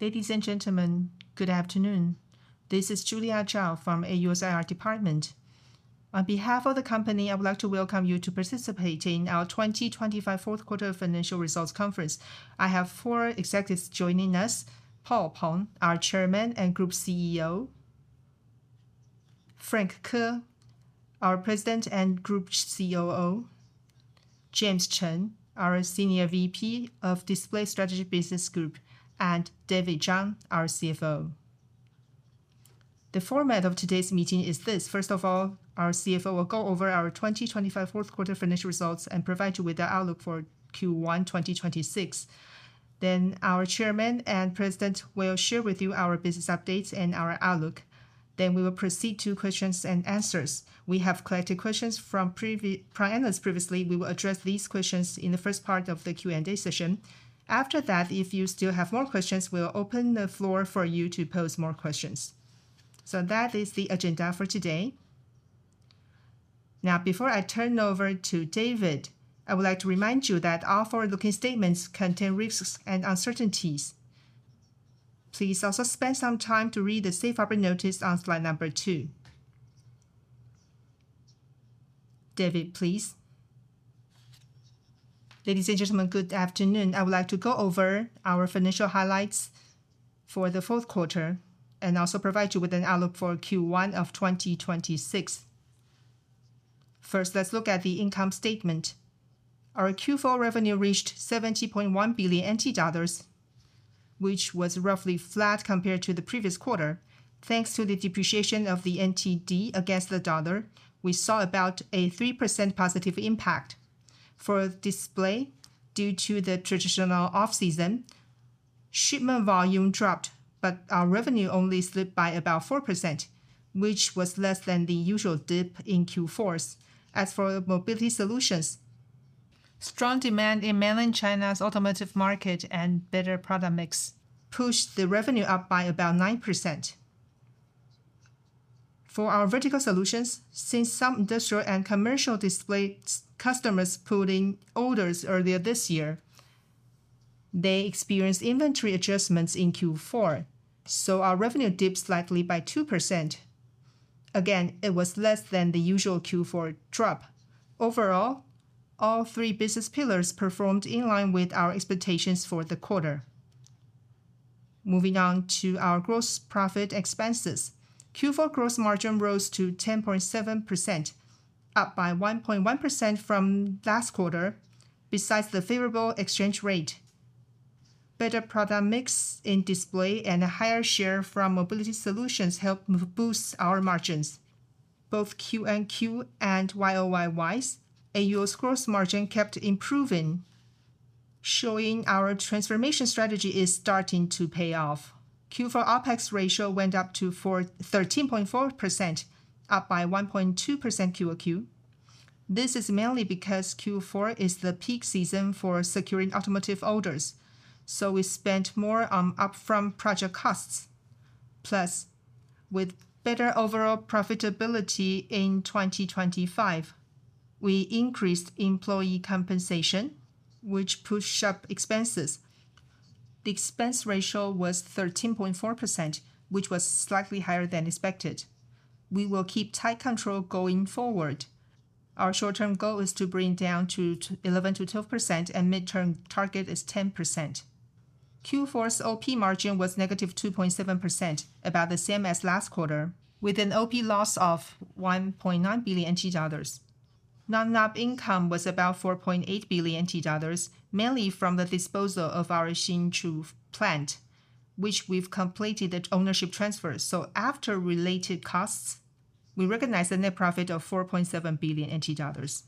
Ladies and gentlemen, good afternoon. This is Julia Chao from AUO's IR department. On behalf of the company, I would like to welcome you to participate in our 2025 fourth quarter financial results conference. I have four executives joining us: Paul Peng, our Chairman and Group CEO; Frank Ko, our President and Group COO; James Chen, our Senior VP of Display Strategic Business Group; and David Chang, our CFO. The format of today's meeting is this. First of all, our CFO will go over our 2025 fourth quarter financial results and provide you with the outlook for Q1 2026. Then our chairman and president will share with you our business updates and our outlook. Then we will proceed to questions and answers. We have collected questions from prior analysts previously. We will address these questions in the first part of the Q&A session. After that, if you still have more questions, we'll open the floor for you to pose more questions. So that is the agenda for today. Now, before I turn over to David, I would like to remind you that all forward-looking statements contain risks and uncertainties. Please also spend some time to read the safe harbor notice on slide number two. David, please. Ladies and gentlemen, good afternoon. I would like to go over our financial highlights for the fourth quarter and also provide you with an outlook for Q1 of 2026. First, let's look at the income statement. Our Q4 revenue reached 70.1 billion NT dollars, which was roughly flat compared to the previous quarter. Thanks to the depreciation of the NTD against the dollar, we saw about a 3% positive impact. For display, due to the traditional off-season, shipment volume dropped, but our revenue only slipped by about 4%, which was less than the usual dip in Q4s. As for the mobility solutions, strong demand in mainland China's automotive market and better product mix pushed the revenue up by about 9%. For our vertical solutions, since some industrial and commercial display customers pulled in orders earlier this year, they experienced inventory adjustments in Q4, so our revenue dipped slightly by 2%. Again, it was less than the usual Q4 drop. Overall, all three business pillars performed in line with our expectations for the quarter. Moving on to our gross profit expenses. Q4 gross margin rose to 10.7%, up by 1.1% from last quarter. Besides the favorable exchange rate, better product mix in display and a higher share from mobility solutions helped boost our margins. Both quarter-over-quarter and year-over-year, AUO's gross margin kept improving, showing our transformation strategy is starting to pay off. Q4 OpEx ratio went up to 13.4%, up by 1.2% quarter-over-quarter. This is mainly because Q4 is the peak season for securing automotive orders, so we spent more on upfront project costs. Plus, with better overall profitability in 2025, we increased employee compensation, which pushed up expenses. The expense ratio was 13.4%, which was slightly higher than expected. We will keep tight control going forward. Our short-term goal is to bring it down to 11%-12%, and mid-term target is 10%. Q4's OP margin was negative 2.7%, about the same as last quarter, with an OP loss of 1.9 billion NT dollars. Non-GAAP income was about 4.8 billion NT dollars, mainly from the disposal of our Hsinchu plant, which we've completed the ownership transfer. So after related costs, we recognized a net profit of 4.7 billion NT dollars.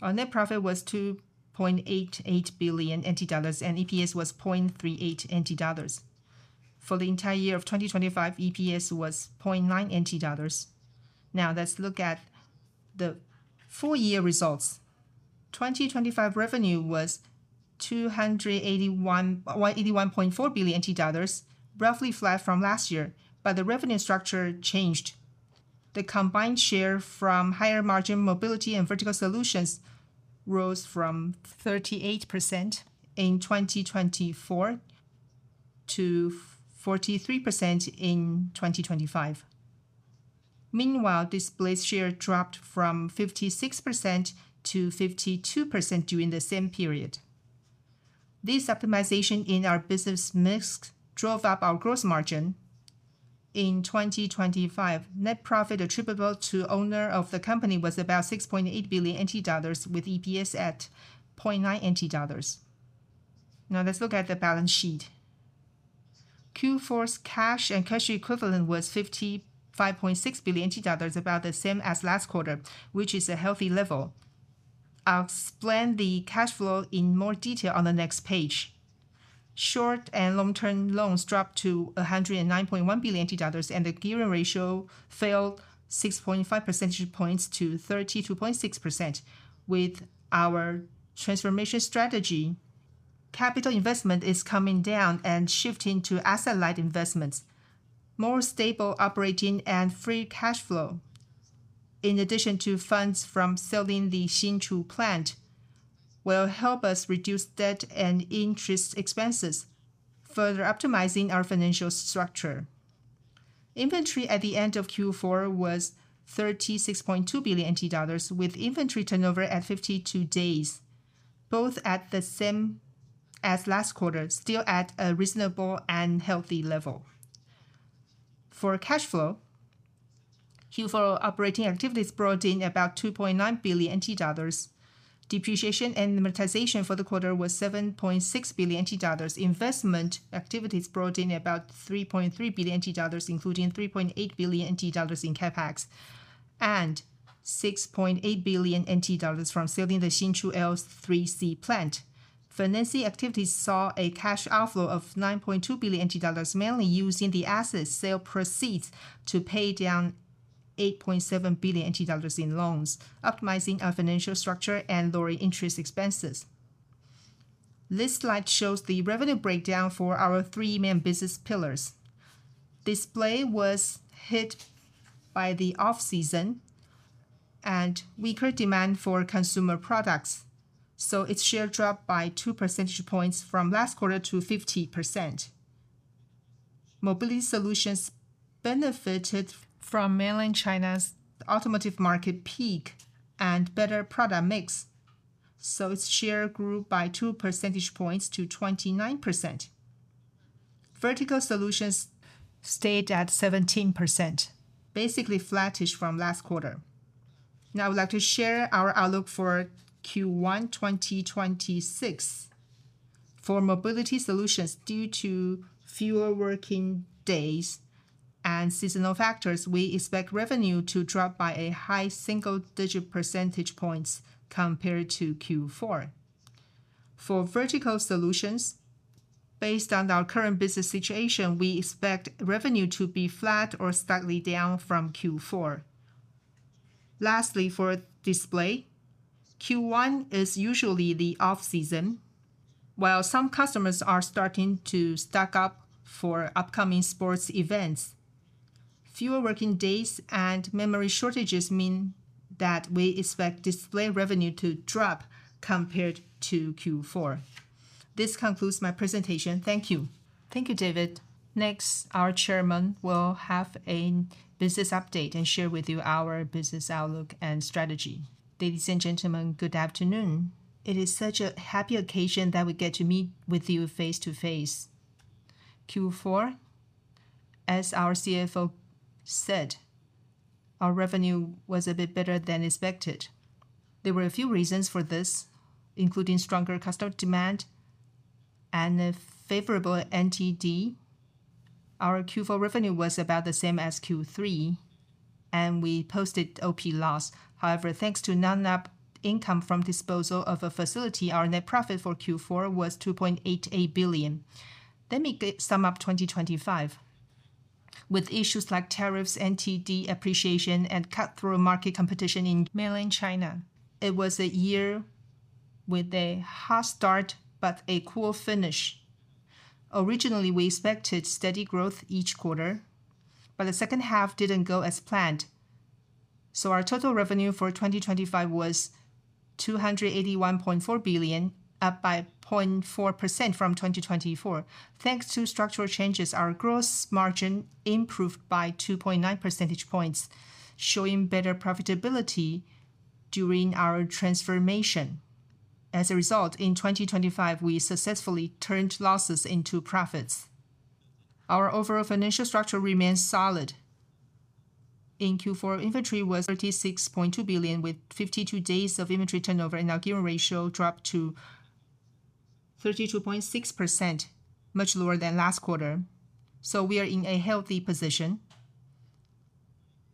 Our net profit was 2.88 billion NT dollars, and EPS was 0.38 NT dollars. For the entire year of 2025, EPS was 0.9 NT dollars. Now let's look at the full year results. 2025 revenue was 181.4 billion dollars, roughly flat from last year, but the revenue structure changed. The combined share from higher-margin mobility and vertical solutions rose from 38% in 2024 to 43% in 2025. Meanwhile, display share dropped from 56% to 52% during the same period. This optimization in our business mix drove up our gross margin in 2025. Net profit attributable to owner of the company was about 6.8 billion NT dollars, with EPS at 0.9 NT dollars. Now let's look at the balance sheet. Q4's cash and cash equivalent was 55.6 billion dollars, about the same as last quarter, which is a healthy level. I'll explain the cash flow in more detail on the next page. Short and long-term loans dropped to 109.1 billion dollars, and the gearing ratio fell 6.5 percentage points to 32.6%. With our transformation strategy, capital investment is coming down and shifting to asset-light investments. More stable operating and free cash flow, in addition to funds from selling the Hsinchu plant, will help us reduce debt and interest expenses, further optimizing our financial structure. Inventory at the end of Q4 was 36.2 billion NT dollars, with inventory turnover at 52 days, both at the same as last quarter, still at a reasonable and healthy level. For cash flow, Q4 operating activities brought in about 2.9 billion NT dollars. Depreciation and amortization for the quarter was 7.6 billion NT dollars. Investment activities brought in about 3.3 billion NT dollars, including 3.8 billion NT dollars in CapEx, and 6.8 billion NT dollars from selling the Hsinchu L3C plant. Financing activities saw a cash outflow of 9.2 billion dollars, mainly using the asset sale proceeds to pay down 8.7 billion dollars in loans, optimizing our financial structure and lowering interest expenses. This slide shows the revenue breakdown for our three main business pillars. Display was hit by the off-season and weaker demand for consumer products, so its share dropped by two percentage points from last quarter to 50%. Mobility Solutions benefited from mainland China's automotive market peak and better product mix, so its share grew by two percentage points to 29%. Vertical Solutions stayed at 17%, basically flattish from last quarter. Now I would like to share our outlook for Q1 2026. For Mobility Solutions, due to fewer working days and seasonal factors, we expect revenue to drop by a high single-digit percentage points compared to Q4. For Vertical Solutions, based on our current business situation, we expect revenue to be flat or slightly down from Q4. Lastly, for Display, Q1 is usually the off-season, while some customers are starting to stock up for upcoming sports events. Fewer working days and memory shortages mean that we expect display revenue to drop compared to Q4. This concludes my presentation. Thank you. Thank you, David. Next, our chairman will have a business update and share with you our business outlook and strategy. Ladies and gentlemen, good afternoon. It is such a happy occasion that we get to meet with you face to face. Q4, as our CFO said, our revenue was a bit better than expected. There were a few reasons for this, including stronger customer demand and a favorable NTD. Our Q4 revenue was about the same as Q3, and we posted OP loss. However, thanks to non-GAAP income from disposal of a facility, our net profit for Q4 was 2.88 billion. Let me sum up 2025. With issues like tariffs, NTD appreciation, and cutthroat market competition in mainland China, it was a year with a hot start but a cool finish. Originally, we expected steady growth each quarter, but the second half didn't go as planned, so our total revenue for 2025 was 281.4 billion, up by 0.4% from 2024. Thanks to structural changes, our gross margin improved by 2.9 percentage point, showing better profitability during our transformation. As a result, in 2025, we successfully turned losses into profits. Our overall financial structure remains solid. In Q4, inventory was 36.2 billion, with 52 days of inventory turnover, and our gearing ratio dropped to 32.6%, much lower than last quarter. So we are in a healthy position.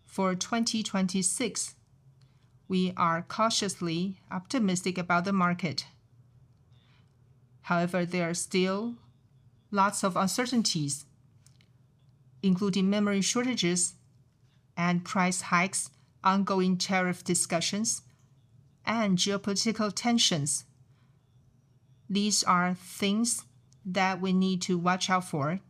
For 2026, we are cautiously optimistic about the market. However, there are still lots of uncertainties, including memory shortages and price hikes, ongoing tariff discussions, and geopolitical tensions. These are things that we need to watch out for,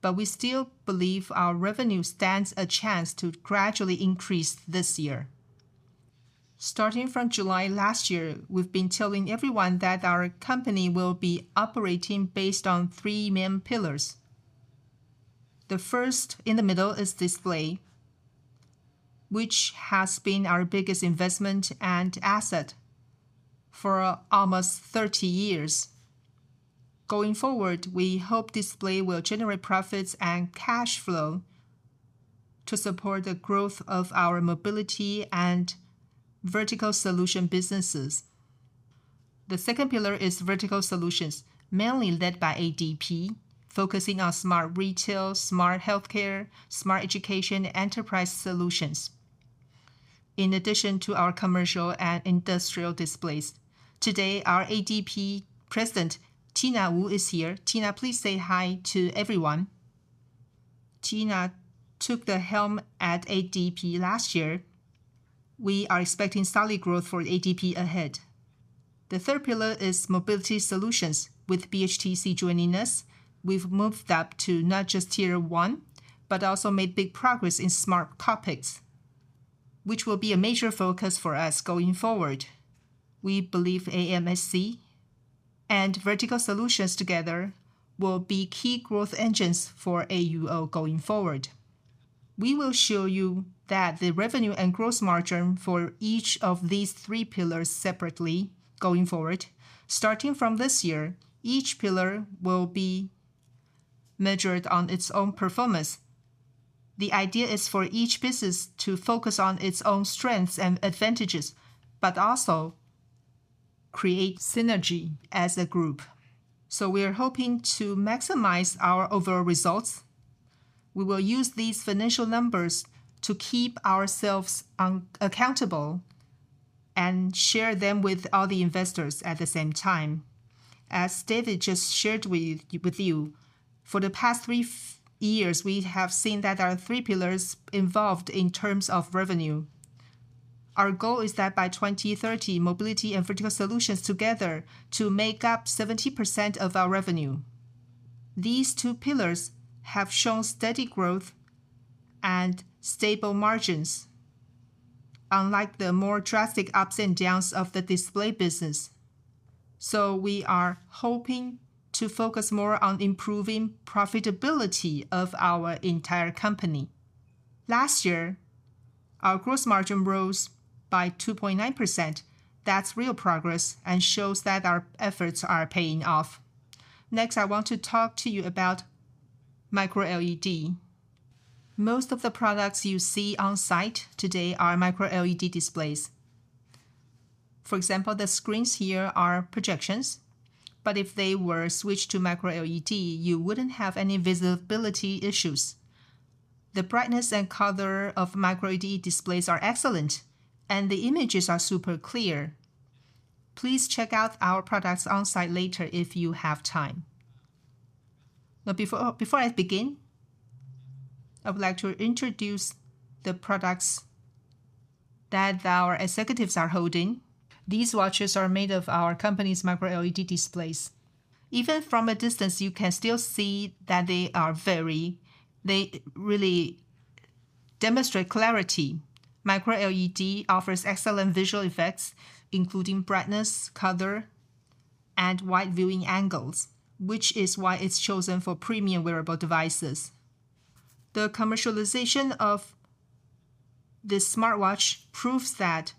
but we still believe our revenue stands a chance to gradually increase this year. Starting from July last year, we've been telling everyone that our company will be operating based on three main pillars. The first, in the middle, is display, which has been our biggest investment and asset for almost 30 years. Going forward, we hope display will generate profits and cash flow to support the growth of our mobility and vertical solution businesses. The second pillar is vertical solutions, mainly led by ADP, focusing on smart retail, smart healthcare, smart education, enterprise solutions, in addition to our commercial and industrial displays. Today, our ADP president, Tina Wu, is here. Tina, please say hi to everyone. Tina took the helm at ADP last year. We are expecting solid growth for ADP ahead. The third pillar is mobility solutions. With BHTC joining us, we've moved up to not just Tier 1, but also made big progress in smart topics, which will be a major focus for us going forward. We believe AMSC and vertical solutions together will be key growth engines for AUO going forward. We will show you that the revenue and gross margin for each of these three pillars separately going forward. Starting from this year, each pillar will be measured on its own performance. The idea is for each business to focus on its own strengths and advantages, but also create synergy as a group. So we are hoping to maximize our overall results. We will use these financial numbers to keep ourselves accountable and share them with all the investors at the same time. As David just shared with you, for the past three years, we have seen that there are three pillars involved in terms of revenue. Our goal is that by 2030, mobility and vertical solutions together to make up 70% of our revenue. These two pillars have shown steady growth and stable margins, unlike the more drastic ups and downs of the display business. So we are hoping to focus more on improving profitability of our entire company. Last year, our gross margin rose by 2.9%. That's real progress and shows that our efforts are paying off. Next, I want to talk to you about Micro LED. Most of the products you see on site today are Micro LED displays. For example, the screens here are projections, but if they were switched to Micro LED, you wouldn't have any visibility issues. The brightness and color of Micro LED displays are excellent, and the images are super clear. Please check out our products on site later if you have time. Now, before I begin, I would like to introduce the products that our executives are holding. These watches are made of our company's Micro LED displays. Even from a distance, you can still see that they are very, they really demonstrate clarity. Micro LED offers excellent visual effects, including brightness, color, and wide viewing angles, which is why it's chosen for premium wearable devices. The commercialization of this smartwatch proves that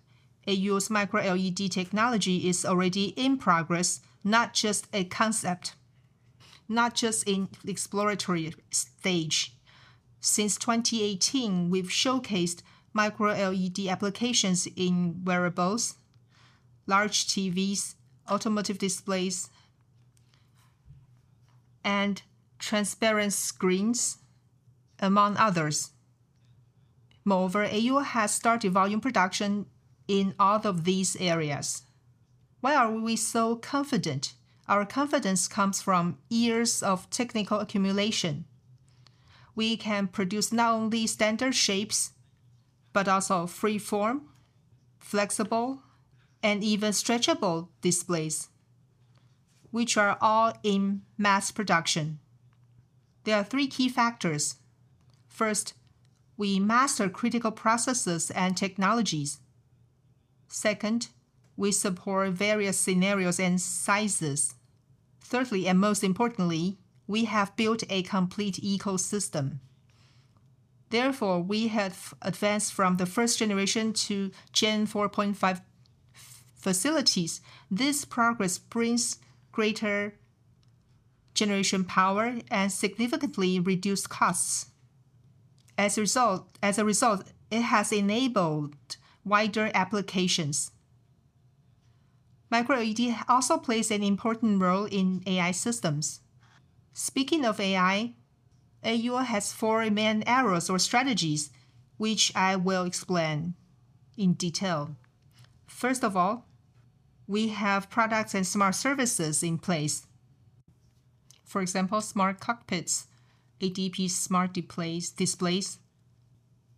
AUO's Micro LED technology is already in progress, not just a concept, not just in the exploratory stage. Since 2018, we've showcased Micro LED applications in wearables, large TVs, automotive displays, and transparent screens, among others. Moreover, AUO has started volume production in all of these areas. Why are we so confident? Our confidence comes from years of technical accumulation. We can produce not only standard shapes, but also free-form, flexible, and even stretchable displays, which are all in mass production. There are three key factors. First, we master critical processes and technologies. Second, we support various scenarios and sizes. Thirdly, and most importantly, we have built a complete ecosystem. Therefore, we have advanced from the first generation to Gen 4.5 facilities. This progress brings greater generation power and significantly reduced costs. As a result, it has enabled wider applications. Micro LED also plays an important role in AI systems. Speaking of AI, AUO has four main areas or strategies, which I will explain in detail. First of all, we have products and smart services in place. For example, smart cockpits, ADP smart displays, displays,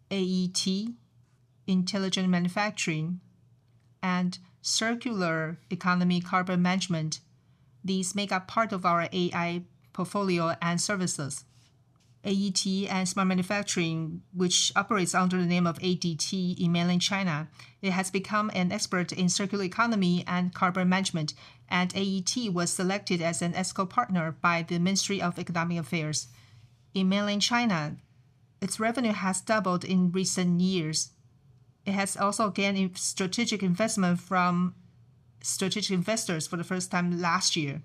AET, intelligent manufacturing, and circular economy carbon management. These make up part of our AI portfolio and services. AET and smart manufacturing, which operates under the name of ADT in mainland China, it has become an expert in circular economy and carbon management, and AET was selected as an ESCO partner by the Ministry of Economic Affairs. In mainland China, its revenue has doubled in recent years. It has also gained a strategic investment from strategic investors for the first time last year.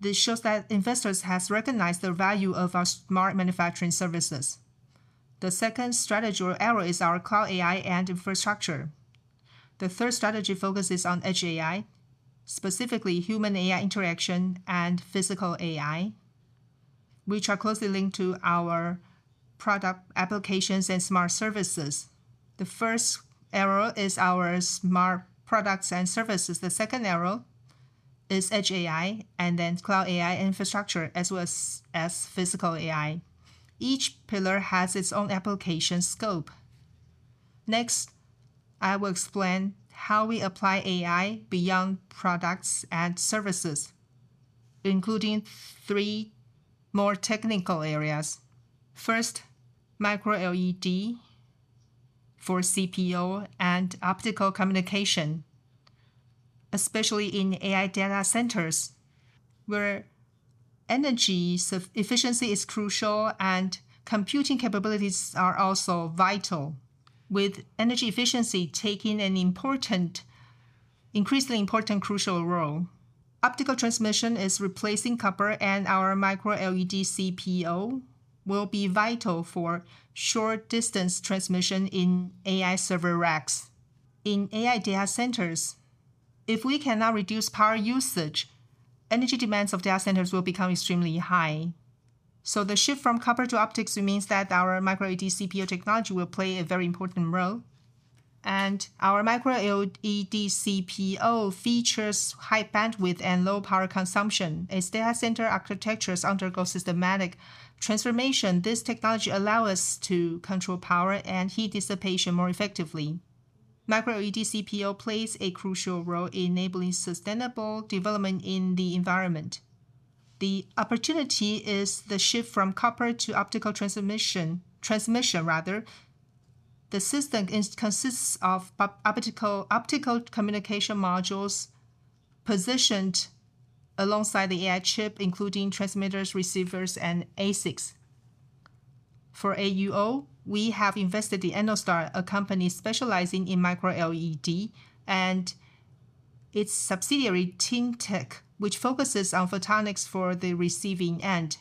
This shows that investors has recognized the value of our smart manufacturing services. The second strategy or area is our cloud AI and infrastructure. The third strategy focuses on edge AI, specifically human AI interaction and physical AI, which are closely linked to our product applications and smart services. The first area is our smart products and services. The second area is Edge AI, and then cloud AI infrastructure, as well as physical AI. Each pillar has its own application scope. Next, I will explain how we apply AI beyond products and services, including three more technical areas. First, Micro LED for CPO and optical communication, especially in AI data centers, where energy efficiency is crucial and computing capabilities are also vital, with energy efficiency taking an increasingly important crucial role. Optical transmission is replacing copper, and our micro-LED CPO will be vital for short-distance transmission in AI server racks. In AI data centers, if we cannot reduce power usage, energy demands of data centers will become extremely high. So the shift from copper to optics means that our micro-LED CPO technology will play a very important role, and our micro-LED CPO features high bandwidth and low power consumption. As data center architectures undergo systematic transformation, this technology allow us to control power and heat dissipation more effectively. Micro-LED CPO plays a crucial role in enabling sustainable development in the environment. The opportunity is the shift from copper to optical transmission, rather. The system consists of optical communication modules positioned alongside the AI chip, including transmitters, receivers, and ASICs. For AUO, we have invested in Ennostar, a company specializing in Micro LED, and its subsidiary, Tyntek, which focuses on photonics for the receiving end.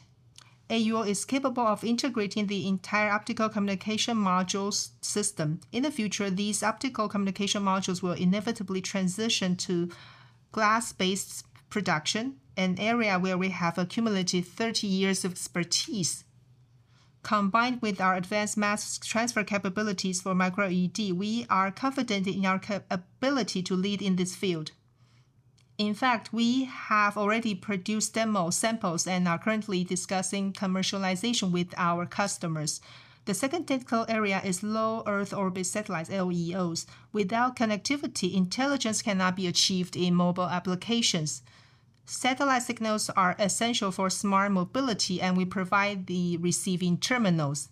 AUO is capable of integrating the entire optical communication modules system. In the future, these optical communication modules will inevitably transition to glass-based production, an area where we have accumulated 30 years of expertise. Combined with our advanced mask transfer capabilities for Micro LED, we are confident in our capability to lead in this field. In fact, we have already produced demo samples and are currently discussing commercialization with our customers. The second technical area is low Earth orbit satellites, LEOs. Without connectivity, intelligence cannot be achieved in mobile applications. Satellite signals are essential for smart mobility, and we provide the receiving terminals.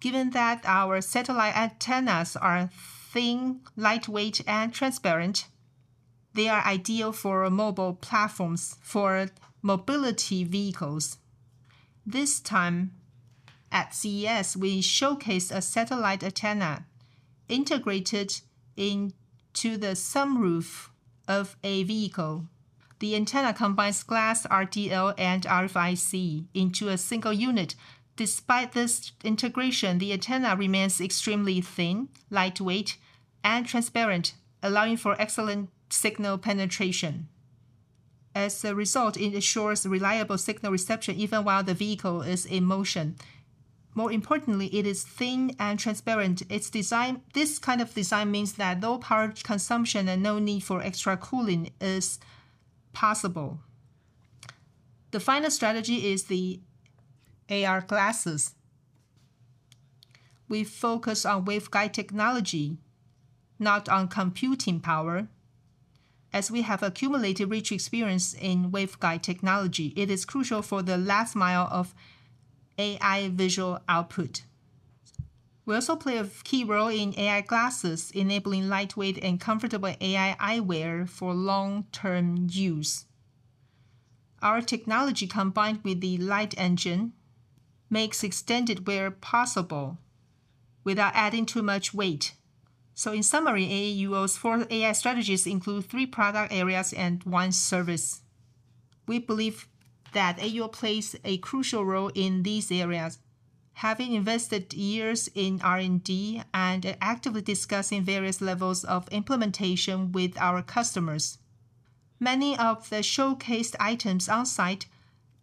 Given that our satellite antennas are thin, lightweight, and transparent, they are ideal for mobile platforms for mobility vehicles. This time at CES, we showcased a satellite antenna integrated into the sunroof of a vehicle. The antenna combines glass RDL and RFIC into a single unit. Despite this integration, the antenna remains extremely thin, lightweight, and transparent, allowing for excellent signal penetration. As a result, it ensures reliable signal reception even while the vehicle is in motion. More importantly, it is thin and transparent. Its design. This kind of design means that low power consumption and no need for extra cooling is possible. The final strategy is the AR glasses. We focus on waveguide technology, not on computing power, as we have accumulated rich experience in waveguide technology. It is crucial for the last mile of AI visual output. We also play a key role in AI glasses, enabling lightweight and comfortable AI eyewear for long-term use. Our technology, combined with the light engine, makes extended wear possible without adding too much weight. So in summary, AUO's four AI strategies include three product areas and one service. We believe that AUO plays a crucial role in these areas. Having invested years in R&D and actively discussing various levels of implementation with our customers, many of the showcased items on site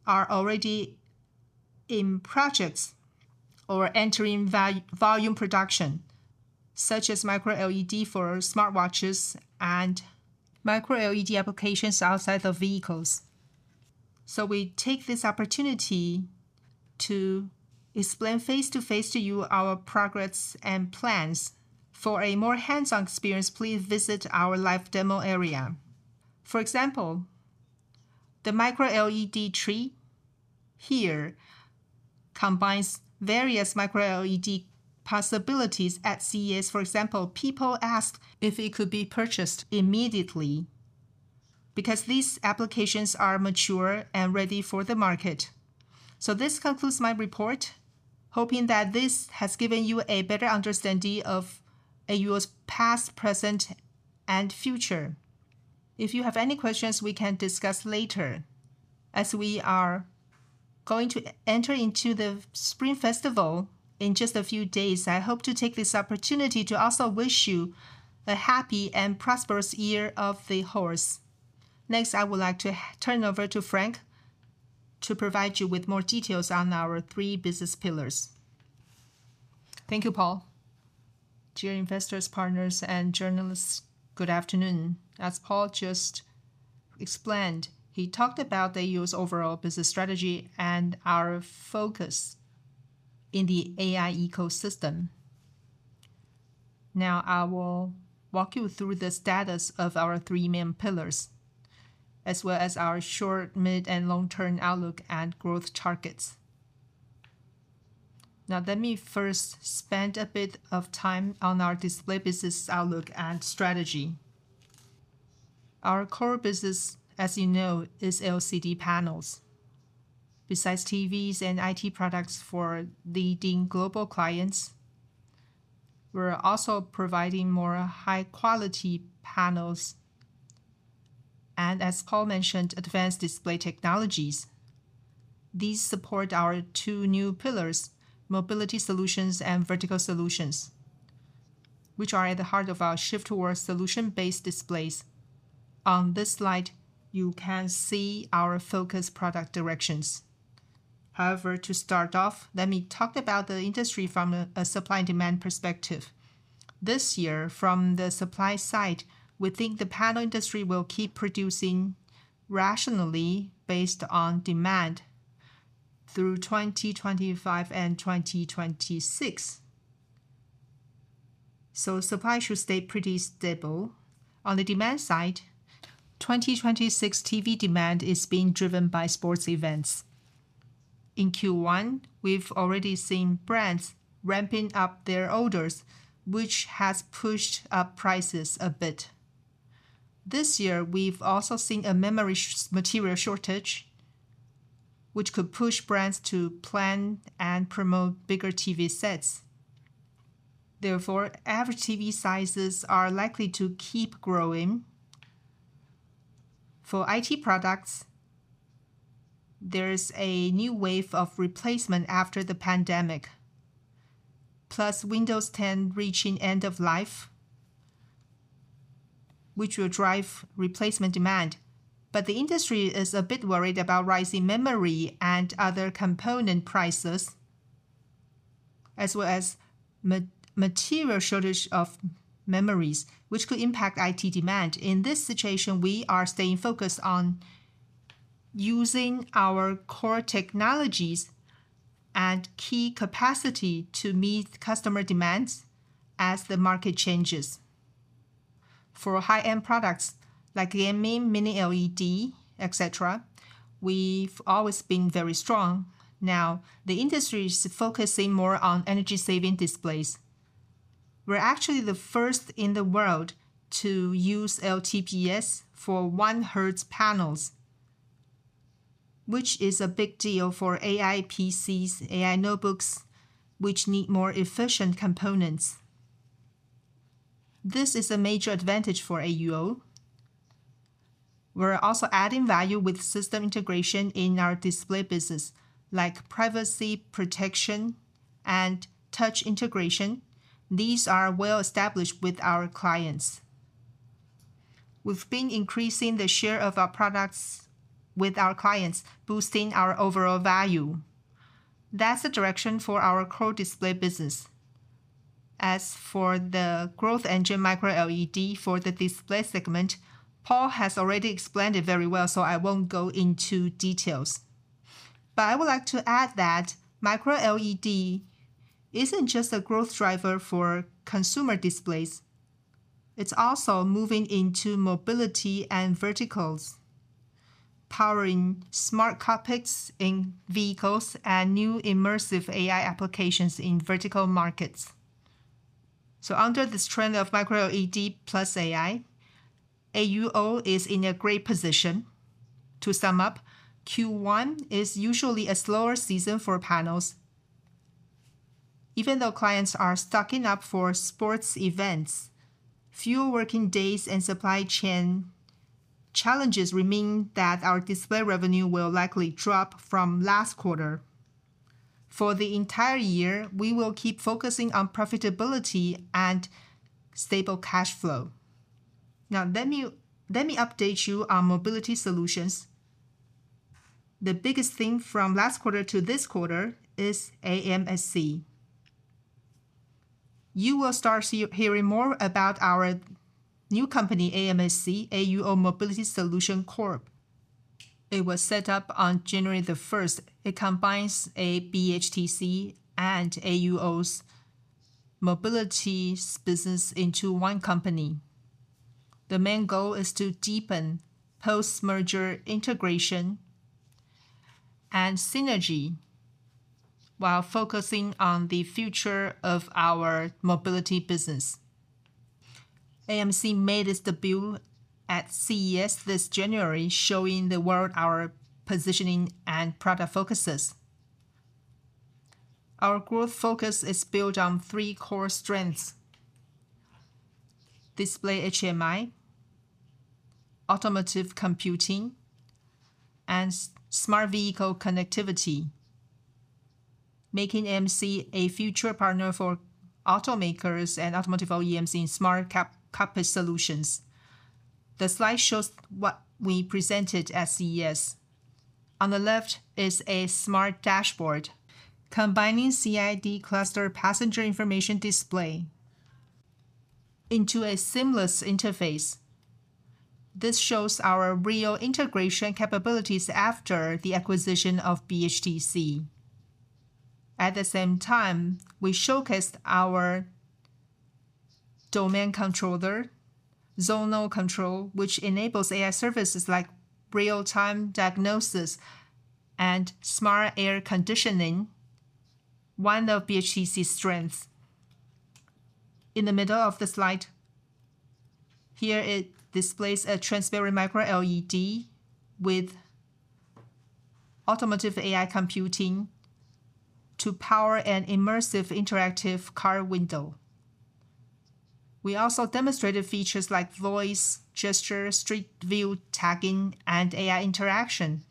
are already in projects or entering volume production, such as micro-LED for smartwatches and micro-LED applications outside of vehicles. So we take this opportunity to explain face-to-face to you our progress and plans. For a more hands-on experience, please visit our live demo area. For example, the micro-LED tree here combines various micro-LED possibilities at CES. For example, people asked if it could be purchased immediately because these applications are mature and ready for the market. This concludes my report, hoping that this has given you a better understanding of AUO's past, present, and future. If you have any questions, we can discuss later. As we are going to enter into the Spring Festival in just a few days, I hope to take this opportunity to also wish you a happy and prosperous Year of the Horse. Next, I would like to turn over to Frank to provide you with more details on our three business pillars.... Thank you, Paul. Dear investors, partners, and journalists, Good afternoon. As Paul just explained, he talked about AUO's overall business strategy and our focus in the AI ecosystem. Now, I will walk you through the status of our three main pillars, as well as our short, mid, and long-term outlook and growth targets. Now, let me first spend a bit of time on our display business outlook and strategy. Our core business, as you know, is LCD panels. Besides TVs and IT products for leading global clients, we're also providing more high-quality panels, and as Paul mentioned, advanced display technologies. These support our two new pillars: mobility solutions and vertical solutions, which are at the heart of our shift towards solution-based displays. On this slide, you can see our focus product directions. However, to start off, let me talk about the industry from a supply and demand perspective. This year, from the supply side, we think the panel industry will keep producing rationally based on demand through 2025 and 2026. So supply should stay pretty stable. On the demand side, 2026 TV demand is being driven by sports events. In Q1, we've already seen brands ramping up their orders, which has pushed up prices a bit. This year, we've also seen a memory material shortage, which could push brands to plan and promote bigger TV sets. Therefore, average TV sizes are likely to keep growing. For IT products, there is a new wave of replacement after the pandemic, plus Windows 10 reaching end of life, which will drive replacement demand. But the industry is a bit worried about rising memory and other component prices, as well as material shortage of memories, which could impact IT demand. In this situation, we are staying focused on using our core technologies and key capacity to meet customer demands as the market changes. For high-end products like gaming, Mini LED, etc., we've always been very strong. Now, the industry is focusing more on energy-saving displays. We're actually the first in the world to use LTPS for one hertz panels, which is a big deal for AI PCs, AI notebooks, which need more efficient components. This is a major advantage for AUO. We're also adding value with system integration in our display business, like privacy protection and touch integration. These are well established with our clients. We've been increasing the share of our products with our clients, boosting our overall value. That's the direction for our core display business. As for the growth engine, Micro LED for the display segment, Paul has already explained it very well, so I won't go into details. But I would like to add that Micro LED isn't just a growth driver for consumer displays, it's also moving into mobility and verticals, powering smart cockpits in vehicles and new immersive AI applications in vertical markets. So under this trend of Micro LED plus AI, AUO is in a great position. To sum up, Q1 is usually a slower season for panels. Even though clients are stocking up for sports events, fewer working days and supply chain challenges remain that our display revenue will likely drop from last quarter. For the entire year, we will keep focusing on profitability and stable cash flow. Now, let me, let me update you on mobility solutions. The biggest thing from last quarter to this quarter is AMSC. You will start seeing hearing more about our new company, AMSC, AUO Mobility Solutions Corp. It was set up on January the 1st. It combines BHTC and AUO's mobility's business into one company. The main goal is to deepen post-merger integration and synergy while focusing on the future of our mobility business. AMSC made its debut at CES this January, showing the world our positioning and product focuses. Our growth focus is built on three core strengths: display HMI, automotive computing, and smart vehicle connectivity, making AMSC a future partner for automakers and automotive OEMs in smart cockpit solutions. The slide shows what we presented at CES. On the left is a smart dashboard, combining CID cluster passenger information display into a seamless interface. This shows our real integration capabilities after the acquisition of BHTC. At the same time, we showcased our Domain Controller, Zonal Control, which enables AI services like real-time diagnosis and smart air conditioning, one of BHTC's strengths. In the middle of the slide here, it displays a transparent Micro LED with automotive AI computing to power an immersive interactive car window. We also demonstrated features like voice, gesture, street view tagging, and AI interaction,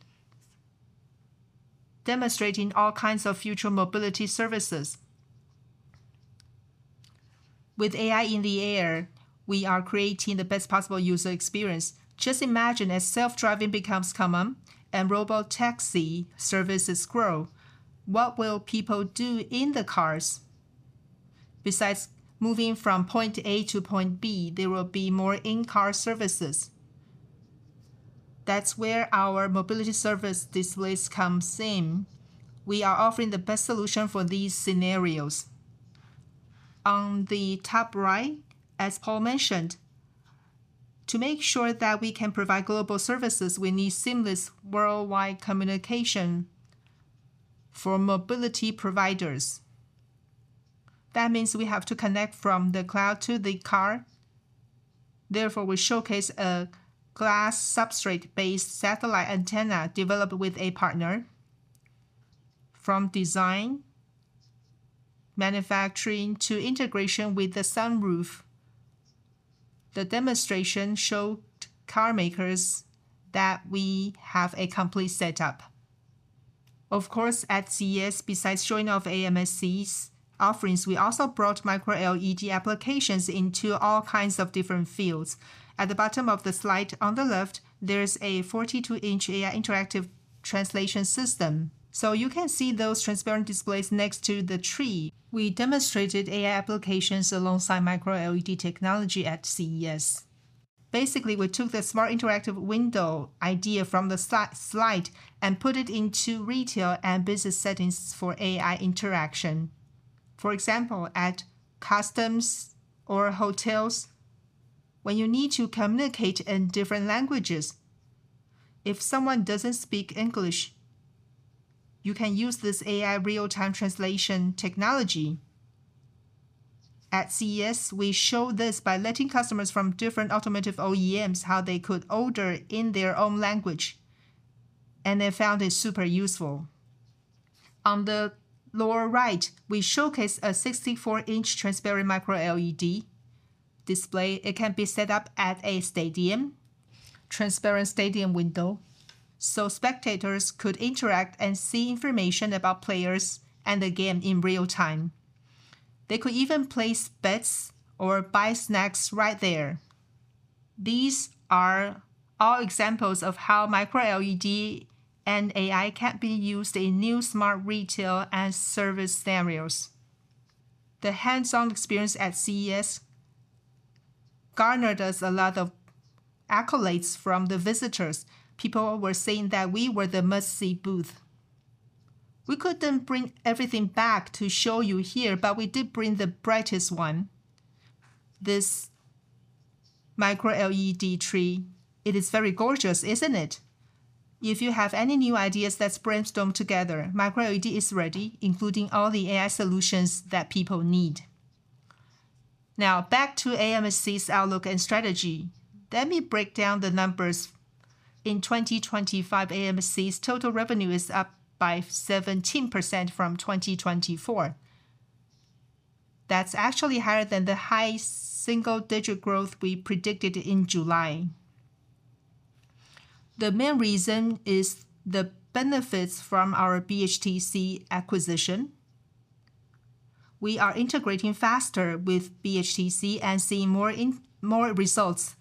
demonstrating all kinds of future mobility services. With AI in the air, we are creating the best possible user experience. Just imagine, as self-driving becomes common and robot taxi services grow, what will people do in the cars? Besides moving from point A to point B, there will be more in-car services. That's where our mobility service displays come in. We are offering the best solution for these scenarios. On the top right, as Paul mentioned, to make sure that we can provide global services, we need seamless worldwide communication for mobility providers. That means we have to connect from the cloud to the car. Therefore, we showcase a glass substrate-based satellite antenna developed with a partner. From design, manufacturing, to integration with the sunroof, the demonstration showed car makers that we have a complete setup. Of course, at CES, besides showing off AMSC's offerings, we also brought Micro LED applications into all kinds of different fields. At the bottom of the slide on the left, there's a 42-inch AI interactive translation system, so you can see those transparent displays next to the tree. We demonstrated AI applications alongside Micro LED technology at CES. Basically, we took the smart interactive window idea from the slide, and put it into retail and business settings for AI interaction. For example, at customs or hotels, when you need to communicate in different languages, if someone doesn't speak English, you can use this AI real-time translation technology. At CES, we showed this by letting customers from different automotive OEMs how they could order in their own language, and they found it super useful. On the lower right, we showcase a 64-inch transparent Micro LED display. It can be set up at a stadium, transparent stadium window, so spectators could interact and see information about players and the game in real time. They could even place bets or buy snacks right there. These are all examples of how Micro LED and AI can be used in new smart retail and service scenarios. The hands-on experience at CES garnered us a lot of accolades from the visitors. People were saying that we were the must-see booth. We couldn't bring everything back to show you here, but we did bring the brightest one, this Micro LED tree. It is very gorgeous, isn't it? If you have any new ideas, let's brainstorm together. Micro LED is ready, including all the AI solutions that people need. Now, back to AMSC's outlook and strategy. Let me break down the numbers. In 2025, AMSC's total revenue is up by 17% from 2024. That's actually higher than the high single-digit growth we predicted in July. The main reason is the benefits from our BHTC acquisition. We are integrating faster with BHTC and seeing more results.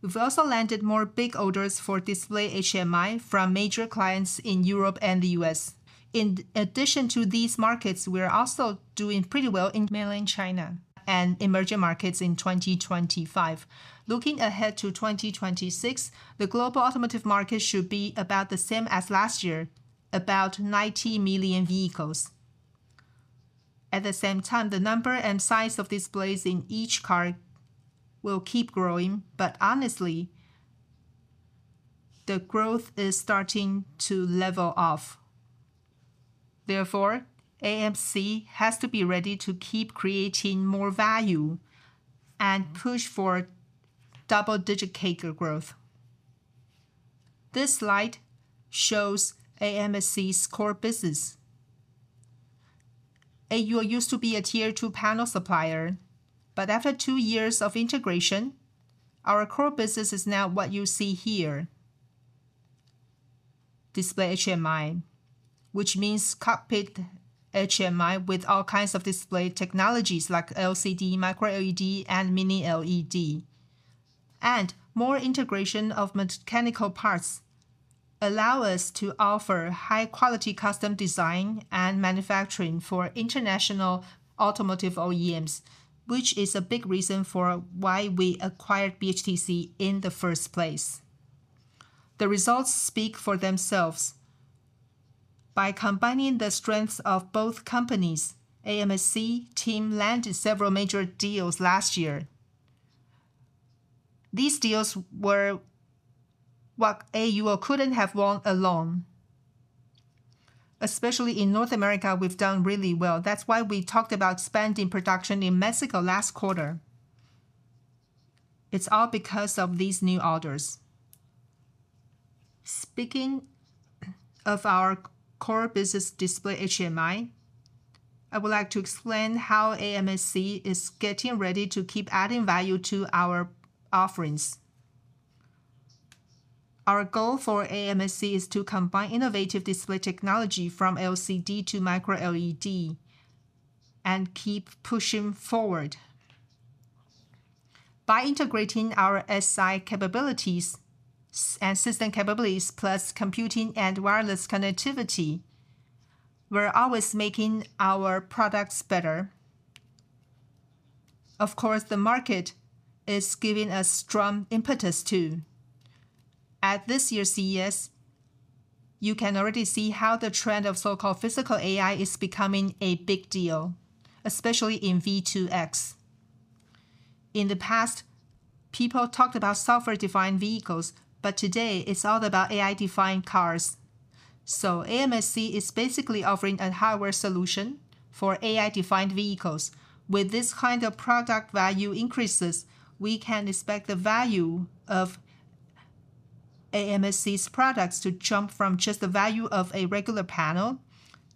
We've also landed more big orders for display HMI from major clients in Europe and the U.S. In addition to these markets, we are also doing pretty well in Mainland China and emerging markets in 2025. Looking ahead to 2026, the global automotive market should be about the same as last year, about 90 million vehicles. At the same time, the number and size of displays in each car will keep growing, but honestly, the growth is starting to level off. Therefore, AMSC has to be ready to keep creating more value and push for double-digit CAGR growth. This slide shows AMSC's core business. AUO used to be a Tier two panel supplier, but after two years of integration, our core business is now what you see here, display HMI.... which means cockpit HMI with all kinds of display technologies like LCD, Micro LED, and Mini LED. More integration of mechanical parts allow us to offer high-quality custom design and manufacturing for international automotive OEMs, which is a big reason for why we acquired BHTC in the first place. The results speak for themselves. By combining the strengths of both companies, AMSC team landed several major deals last year. These deals were what AUO couldn't have won alone. Especially in North America, we've done really well. That's why we talked about expanding production in Mexico last quarter. It's all because of these new orders. Speaking of our core business, Display HMI, I would like to explain how AMSC is getting ready to keep adding value to our offerings. Our goal for AMSC is to combine innovative display technology from LCD to Micro LED and keep pushing forward. By integrating our SI capabilities and system capabilities, plus computing and wireless connectivity, we're always making our products better. Of course, the market is giving us strong impetus, too. At this year's CES, you can already see how the trend of so-called physical AI is becoming a big deal, especially in V2X. In the past, people talked about software-defined vehicles, but today it's all about AI-defined cars. So AMSC is basically offering a hardware solution for AI-defined vehicles. With this kind of product, value increases, we can expect the value of AMSC's products to jump from just the value of a regular panel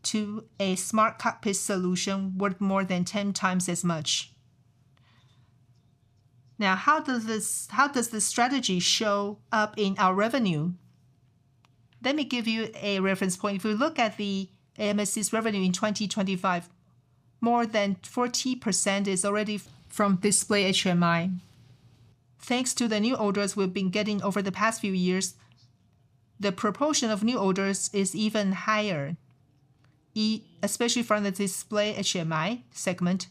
to a smart cockpit solution worth more than 10 times as much. Now, how does this, how does this strategy show up in our revenue? Let me give you a reference point. If we look at the AMSC's revenue in 2025, more than 40% is already from Display HMI. Thanks to the new orders we've been getting over the past few years, the proportion of new orders is even higher, especially from the Display HMI segment,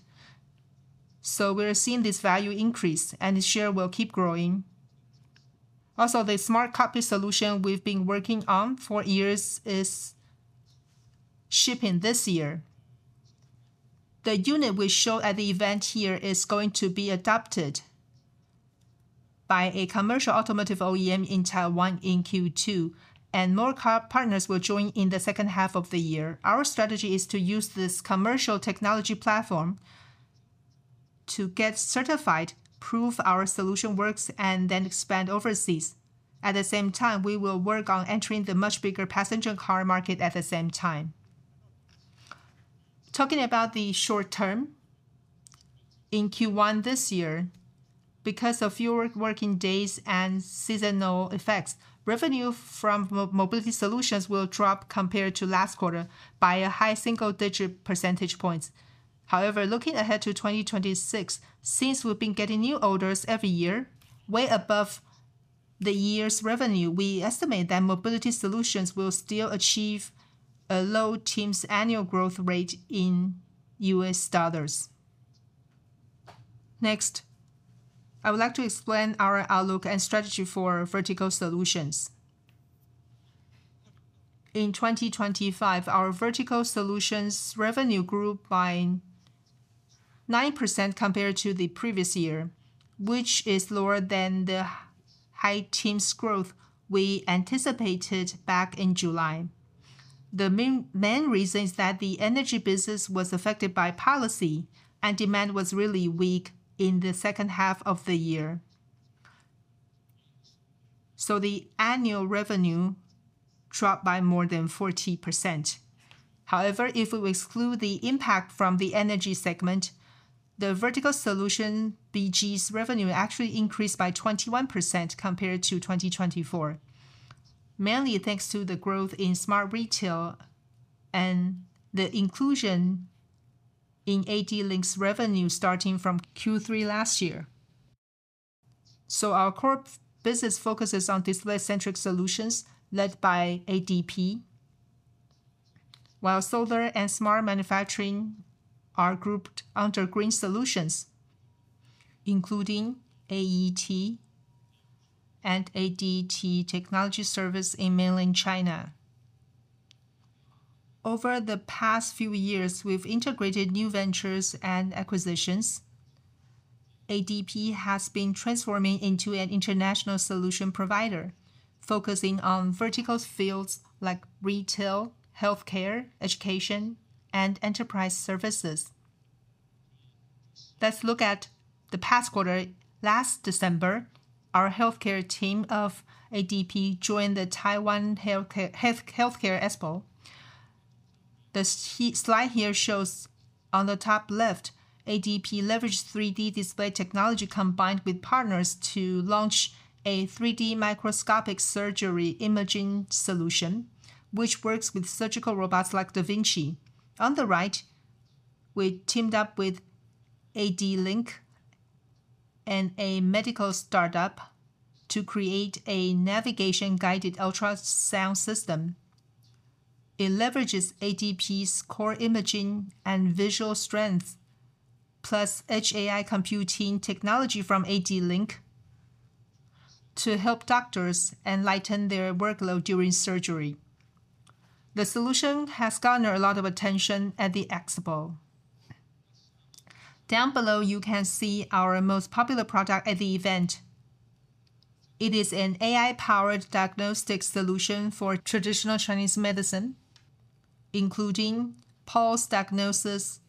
so we're seeing this value increase, and the share will keep growing. Also, the smart cockpit solution we've been working on for years is shipping this year. The unit we show at the event here is going to be adopted by a commercial automotive OEM in Taiwan in Q2, and more car partners will join in the second half of the year. Our strategy is to use this commercial technology platform to get certified, prove our solution works, and then expand overseas. At the same time, we will work on entering the much bigger passenger car market at the same time. Talking about the short term, in Q1 this year, because of fewer working days and seasonal effects, revenue from mobility solutions will drop compared to last quarter by a high single-digit percentage points. However, looking ahead to 2026, since we've been getting new orders every year, way above the year's revenue, we estimate that mobility solutions will still achieve a low teens annual growth rate in U.S. dollars. Next, I would like to explain our outlook and strategy for vertical solutions. In 2025, our vertical solutions revenue grew by 9% compared to the previous year, which is lower than the high-teens growth we anticipated back in July. The main reason is that the energy business was affected by policy, and demand was really weak in the second half of the year. So the annual revenue dropped by more than 40%. However, if we exclude the impact from the energy segment, the vertical solutions BG's revenue actually increased by 21% compared to 2024, mainly thanks to the growth in smart retail and the inclusion in ADLINK's revenue starting from Q3 last year. So our core business focuses on display-centric solutions led by ADP, while solar and smart manufacturing are grouped under green solutions, including AET and ADT Technology Service in mainland China. Over the past few years, we've integrated new ventures and acquisitions. ADP has been transforming into an international solution provider, focusing on vertical fields like retail, healthcare, education, and enterprise services. Let's look at the past quarter. Last December, our healthcare team of ADP joined the Taiwan Healthcare Expo. This slide here shows on the top left, ADP leveraged 3D display technology combined with partners to launch a 3D microscopic surgery imaging solution, which works with surgical robots like da Vinci. On the right, we teamed up with ADLINK and a medical startup to create a navigation-guided ultrasound system. It leverages ADP's core imaging and visual strength, plus edge AI computing technology from ADLINK, to help doctors and lighten their workload during surgery. The solution has garnered a lot of attention at the expo. Down below, you can see our most popular product at the event. It is an AI-powered diagnostic solution for traditional Chinese medicine, including pulse diagnosis,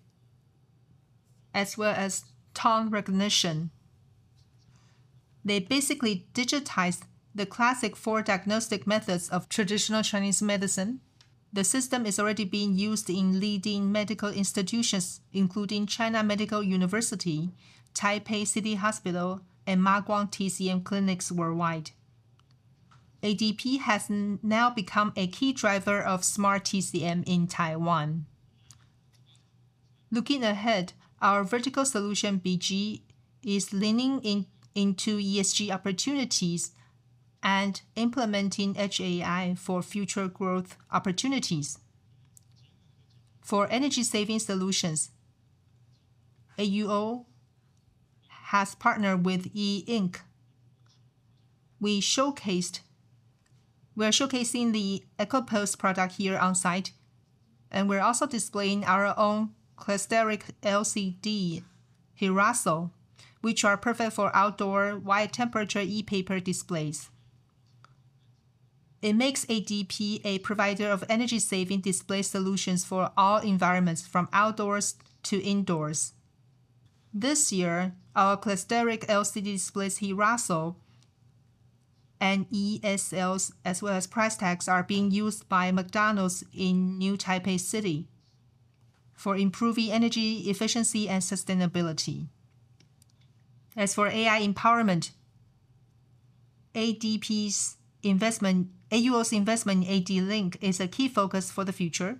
as well as tongue recognition. They basically digitized the classic four diagnostic methods of traditional Chinese medicine. The system is already being used in leading medical institutions, including China Medical University, Taipei City Hospital, and Ma Kuang TCM clinics worldwide. ADP has now become a key driver of smart TCM in Taiwan. Looking ahead, our vertical solution, BG, is leaning in, into ESG opportunities and implementing edge AI for future growth opportunities. For energy-saving solutions, AUO has partnered with E Ink. We are showcasing the Eco-Poster product here on site, and we're also displaying our own Cholesteric LCD, HiRaso, which are perfect for outdoor wide-temperature ePaper displays. It makes ADP a provider of energy-saving display solutions for all environments, from outdoors to indoors. This year, our Cholesteric LCD displays, HiRaso and ESLs, as well as price tags, are being used by McDonald's in New Taipei City for improving energy efficiency and sustainability. As for AI empowerment, ADP's investment—AUO's investment in ADLINK is a key focus for the future.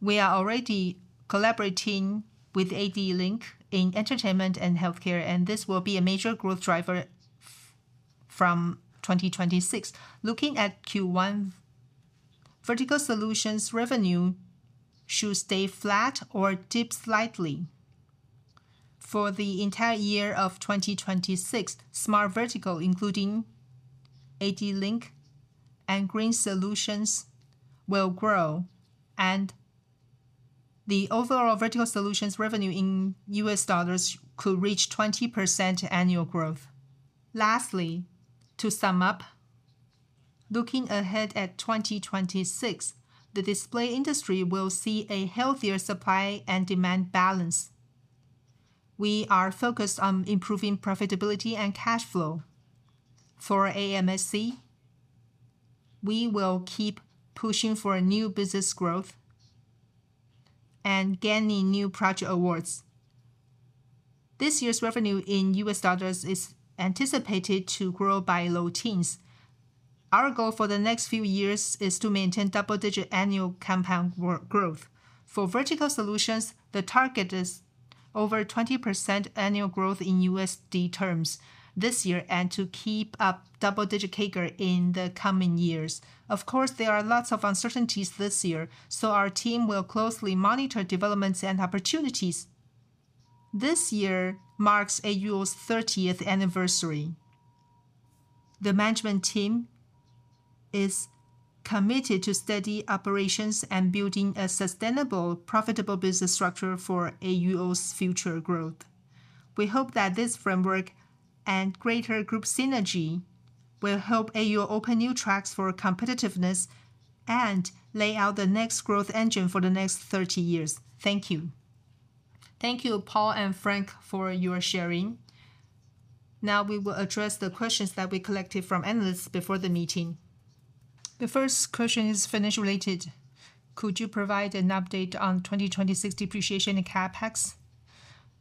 We are already collaborating with ADLINK in entertainment and healthcare, and this will be a major growth driver from 2026. Looking at Q1, vertical solutions revenue should stay flat or dip slightly. For the entire year of 2026, smart vertical, including ADLINK and green solutions, will grow, and the overall vertical solutions revenue in U.S. Dollars could reach 20% annual growth. Lastly, to sum up, looking ahead at 2026, the display industry will see a healthier supply and demand balance. We are focused on improving profitability and cash flow. For AMSC, we will keep pushing for a new business growth and gaining new project awards. This year's revenue in U.S. dollars is anticipated to grow by low teens. Our goal for the next few years is to maintain double-digit annual compound growth. For vertical solutions, the target is over 20% annual growth in USD terms this year, and to keep up double-digit CAGR in the coming years. Of course, there are lots of uncertainties this year, so our team will closely monitor developments and opportunities. This year marks AUO's 30th anniversary. The management team is committed to steady operations and building a sustainable, profitable business structure for AUO's future growth. We hope that this framework and greater group synergy will help AUO open new tracks for competitiveness and lay out the next growth engine for the next thirty years. Thank you. Thank you, Paul and Frank, for your sharing. Now we will address the questions that we collected from analysts before the meeting. The first question is financial related: Could you provide an update on 2026 depreciation and CapEx?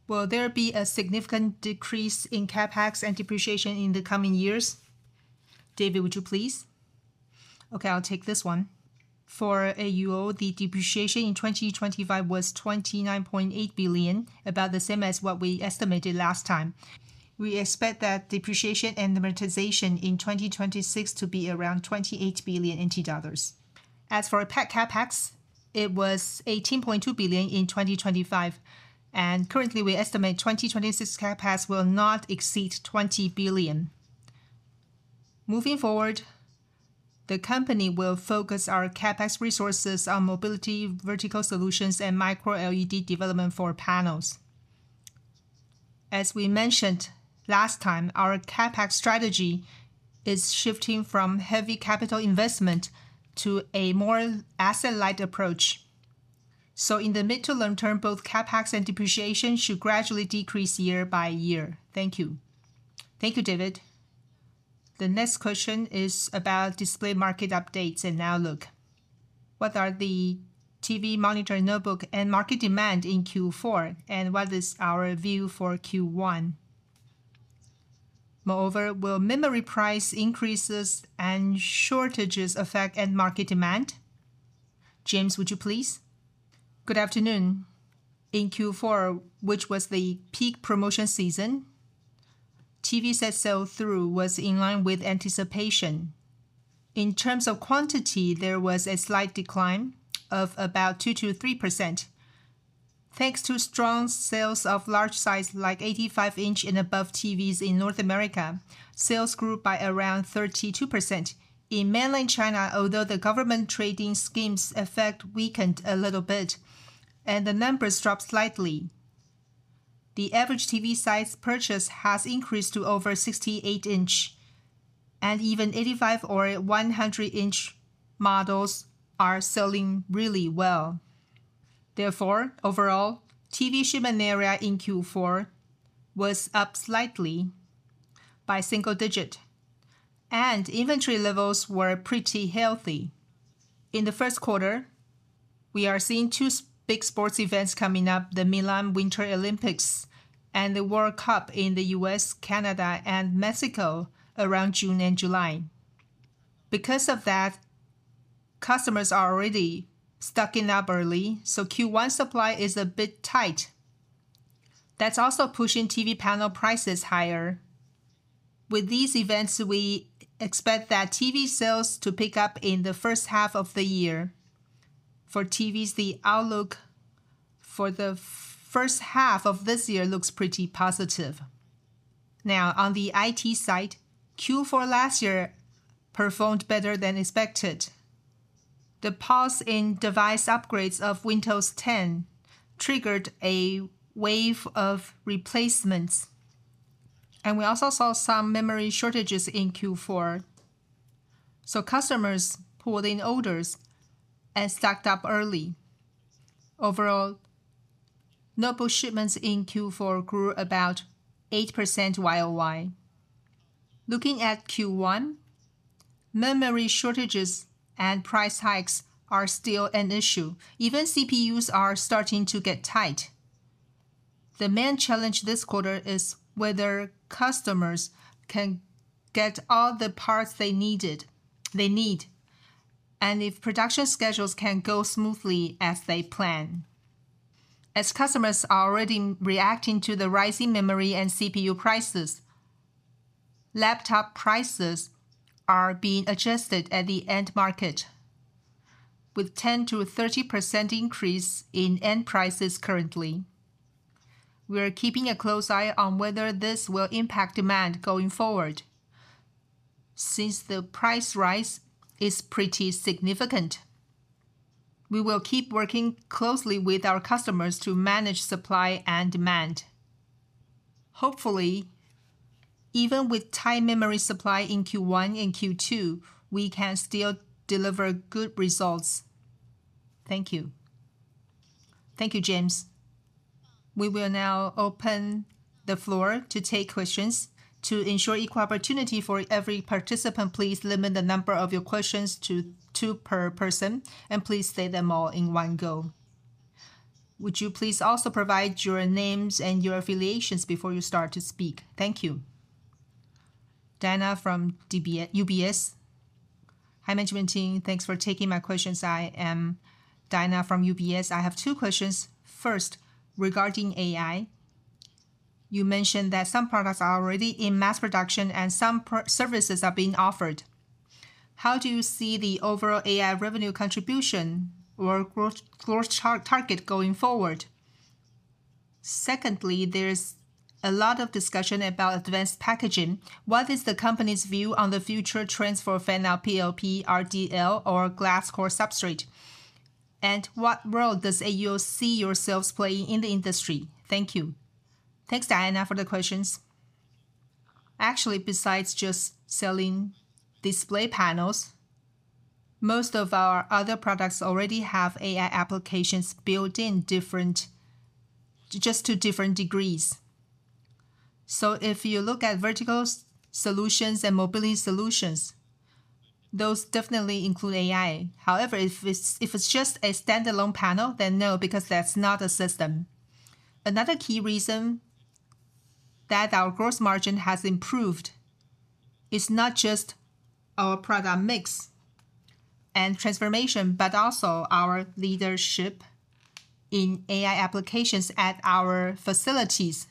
Will there be a significant decrease in CapEx and depreciation in the coming years? David, would you please? Okay, I'll take this one. For AUO, the depreciation in 2025 was 29.8 billion, about the same as what we estimated last time. We expect that depreciation and amortization in 2026 to be around 28 billion NT dollars. As for our CapEx, it was 18.2 billion in 2025, and currently, we estimate 2026 CapEx will not exceed 20 billion. Moving forward, the company will focus our CapEx resources on mobility, vertical solutions, and Micro LED development for panels. As we mentioned last time, our CapEx strategy is shifting from heavy capital investment to a more asset-light approach... So in the mid to long term, both CapEx and depreciation should gradually decrease year by year. Thank you. Thank you, David. The next question is about display market updates and outlook. What are the TV, monitor, and notebook end market demand in Q4, and what is our view for Q1? Moreover, will memory price increases and shortages affect end market demand? James, would you please? Good afternoon. In Q4, which was the peak promotion season, TV set sell-through was in line with anticipation. In terms of quantity, there was a slight decline of about 2%-3%. Thanks to strong sales of large size, like 85-inch and above TVs in North America, sales grew by around 32%. In mainland China, although the government trading schemes' effect weakened a little bit and the numbers dropped slightly, the average TV size purchase has increased to over 68-inch, and even 85- or 100-inch models are selling really well. Therefore, overall, TV shipment area in Q4 was up slightly by single-digit, and inventory levels were pretty healthy. In the first quarter, we are seeing two big sports events coming up, the Milan Winter Olympics and the World Cup in the U.S., Canada, and Mexico around June and July. Because of that, customers are already stocking up early, so Q1 supply is a bit tight. That's also pushing TV panel prices higher. With these events, we expect that TV sales to pick up in the first half of the year. For TVs, the outlook for the first half of this year looks pretty positive. Now, on the IT side, Q4 last year performed better than expected. The pause in device upgrades of Windows 10 triggered a wave of replacements, and we also saw some memory shortages in Q4, so customers pulled in orders and stocked up early. Overall, notebook shipments in Q4 grew about 8% YOY. Looking at Q1, memory shortages and price hikes are still an issue. Even CPUs are starting to get tight. The main challenge this quarter is whether customers can get all the parts they needed, they need, and if production schedules can go smoothly as they plan. As customers are already reacting to the rising memory and CPU prices, laptop prices are being adjusted at the end market, with 10%-30% increase in end prices currently. We're keeping a close eye on whether this will impact demand going forward. Since the price rise is pretty significant, we will keep working closely with our customers to manage supply and demand. Hopefully, even with tight memory supply in Q1 and Q2, we can still deliver good results. Thank you. Thank you, James. We will now open the floor to take questions. To ensure equal opportunity for every participant, please limit the number of your questions to two per person, and please say them all in one go. Would you please also provide your names and your affiliations before you start to speak? Thank you. Diana from UBS. Hi, management team. Thanks for taking my questions. I am Diana from UBS. I have two questions. First, regarding AI, you mentioned that some products are already in mass production and some products or services are being offered. How do you see the overall AI revenue contribution or growth target going forward? Secondly, there's a lot of discussion about advanced packaging. What is the company's view on the future trends for fan-out PLP, RDL, or glass core substrate? And what role does AUO see yourselves playing in the industry? Thank you. Thanks, Diana, for the questions. Actually, besides just selling display panels, most of our other products already have AI applications built in different... just to different degrees. So if you look at vertical solutions and mobility solutions, those definitely include AI. However, if it's just a standalone panel, then no, because that's not a system. Another key reason that our gross margin has improved is not just our product mix and transformation, but also our leadership in AI applications at our facilities.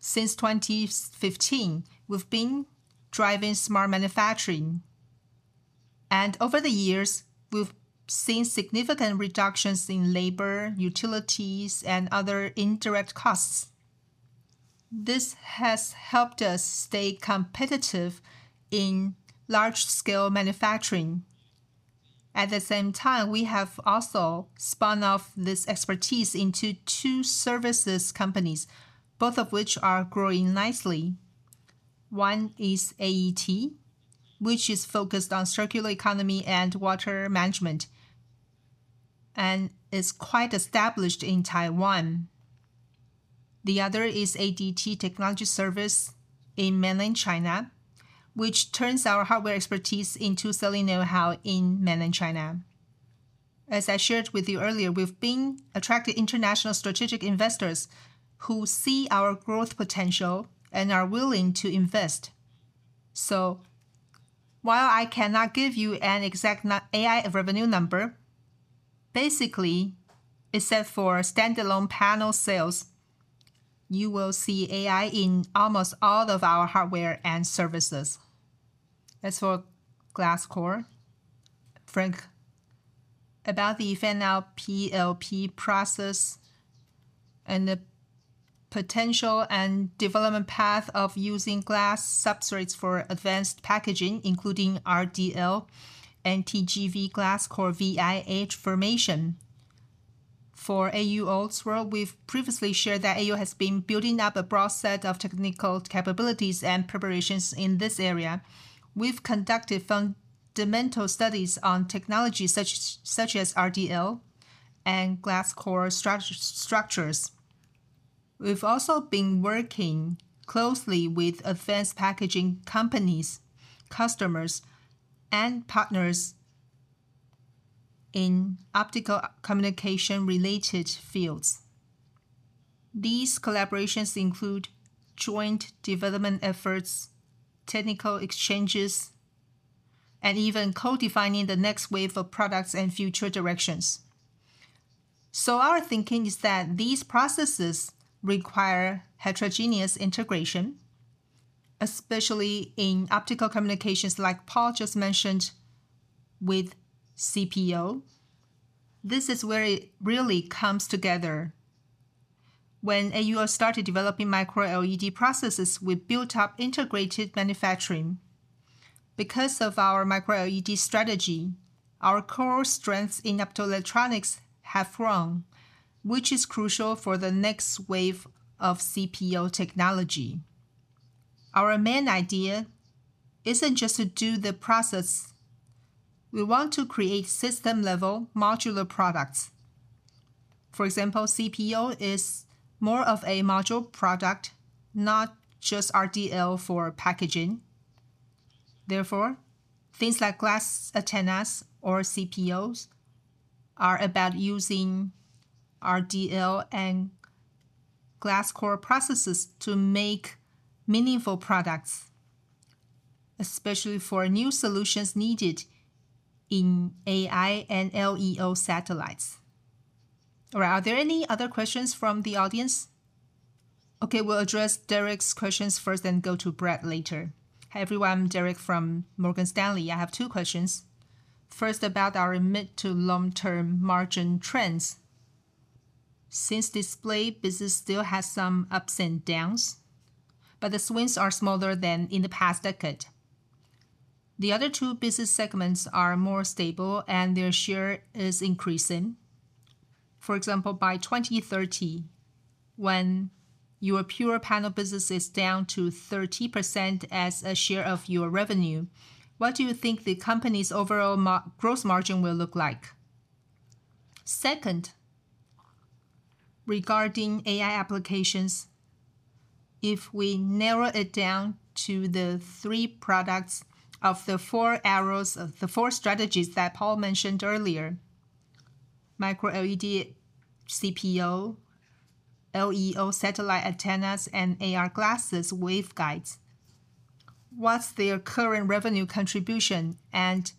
Since 2015, we've been driving smart manufacturing, and over the years, we've seen significant reductions in labor, utilities, and other indirect costs. This has helped us stay competitive in large-scale manufacturing. At the same time, we have also spun off this expertise into two services companies, both of which are growing nicely. One is AET, which is focused on circular economy and water management, and is quite established in Taiwan. The other is ADT Technology Service in Mainland China, which turns our hardware expertise into selling know-how in Mainland China. As I shared with you earlier, we've been attracting international strategic investors who see our growth potential and are willing to invest. So while I cannot give you an exact AI revenue number, basically, except for standalone panel sales, you will see AI in almost all of our hardware and services. As for glass core, Frank, about the fan-out PLP process and the potential and development path of using glass substrates for advanced packaging, including RDL and TGV glass core via formation. For AUO as well, we've previously shared that AUO has been building up a broad set of technical capabilities and preparations in this area. We've conducted fundamental studies on technologies such as RDL and glass core structures. We've also been working closely with advanced packaging companies, customers, and partners in optical communication-related fields. These collaborations include joint development efforts, technical exchanges, and even co-defining the next wave of products and future directions. So our thinking is that these processes require heterogeneous integration, especially in optical communications, like Paul just mentioned with CPO. This is where it really comes together. When AUO started developing Micro LED processes, we built up integrated manufacturing. Because of our Micro LED strategy, our core strengths in optoelectronics have grown, which is crucial for the next wave of CPO technology. Our main idea isn't just to do the process; we want to create system-level modular products. For example, CPO is more of a module product, not just RDL for packaging. Therefore, things like glass antennas or CPOs are about using RDL and glass core processes to make meaningful products, especially for new solutions needed in AI and LEO satellites. All right, are there any other questions from the audience? Okay, we'll address Derek's questions first, then go to Brad later. Hi, everyone, I'm Derek from Morgan Stanley. I have two questions. First, about our mid- to long-term margin trends. Since display business still has some ups and downs, but the swings are smaller than in the past decade, the other two business segments are more stable and their share is increasing. For example, by 2030, when your pure panel business is down to 30% as a share of your revenue, what do you think the company's overall gross margin will look like? Second, regarding AI applications, if we narrow it down to the three products of the four strategies that Paul mentioned earlier, Micro LED, CPO, LEO satellite antennas, and AR glasses waveguides, what's their current revenue contribution, and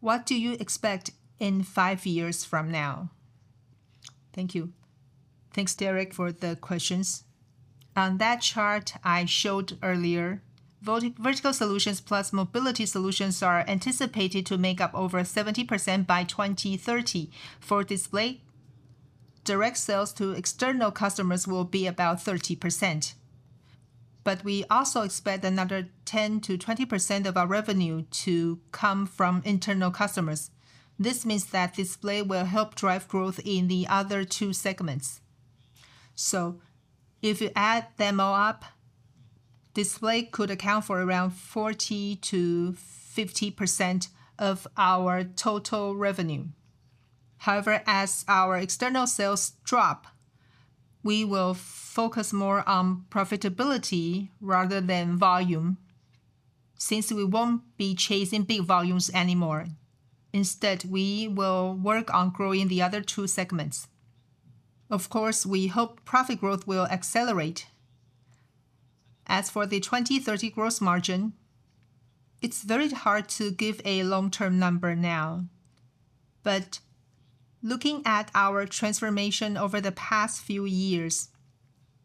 what do you expect in 5 years from now? Thank you. Thanks, Derek, for the questions. On that chart I showed earlier, vertical solutions plus mobility solutions are anticipated to make up over 70% by 2030. For display, direct sales to external customers will be about 30%, but we also expect another 10%-20% of our revenue to come from internal customers. This means that display will help drive growth in the other two segments. So if you add them all up, display could account for around 40%-50% of our total revenue. However, as our external sales drop, we will focus more on profitability rather than volume, since we won't be chasing big volumes anymore. Instead, we will work on growing the other two segments. Of course, we hope profit growth will accelerate. As for the 2030 gross margin, it's very hard to give a long-term number now, but looking at our transformation over the past few years,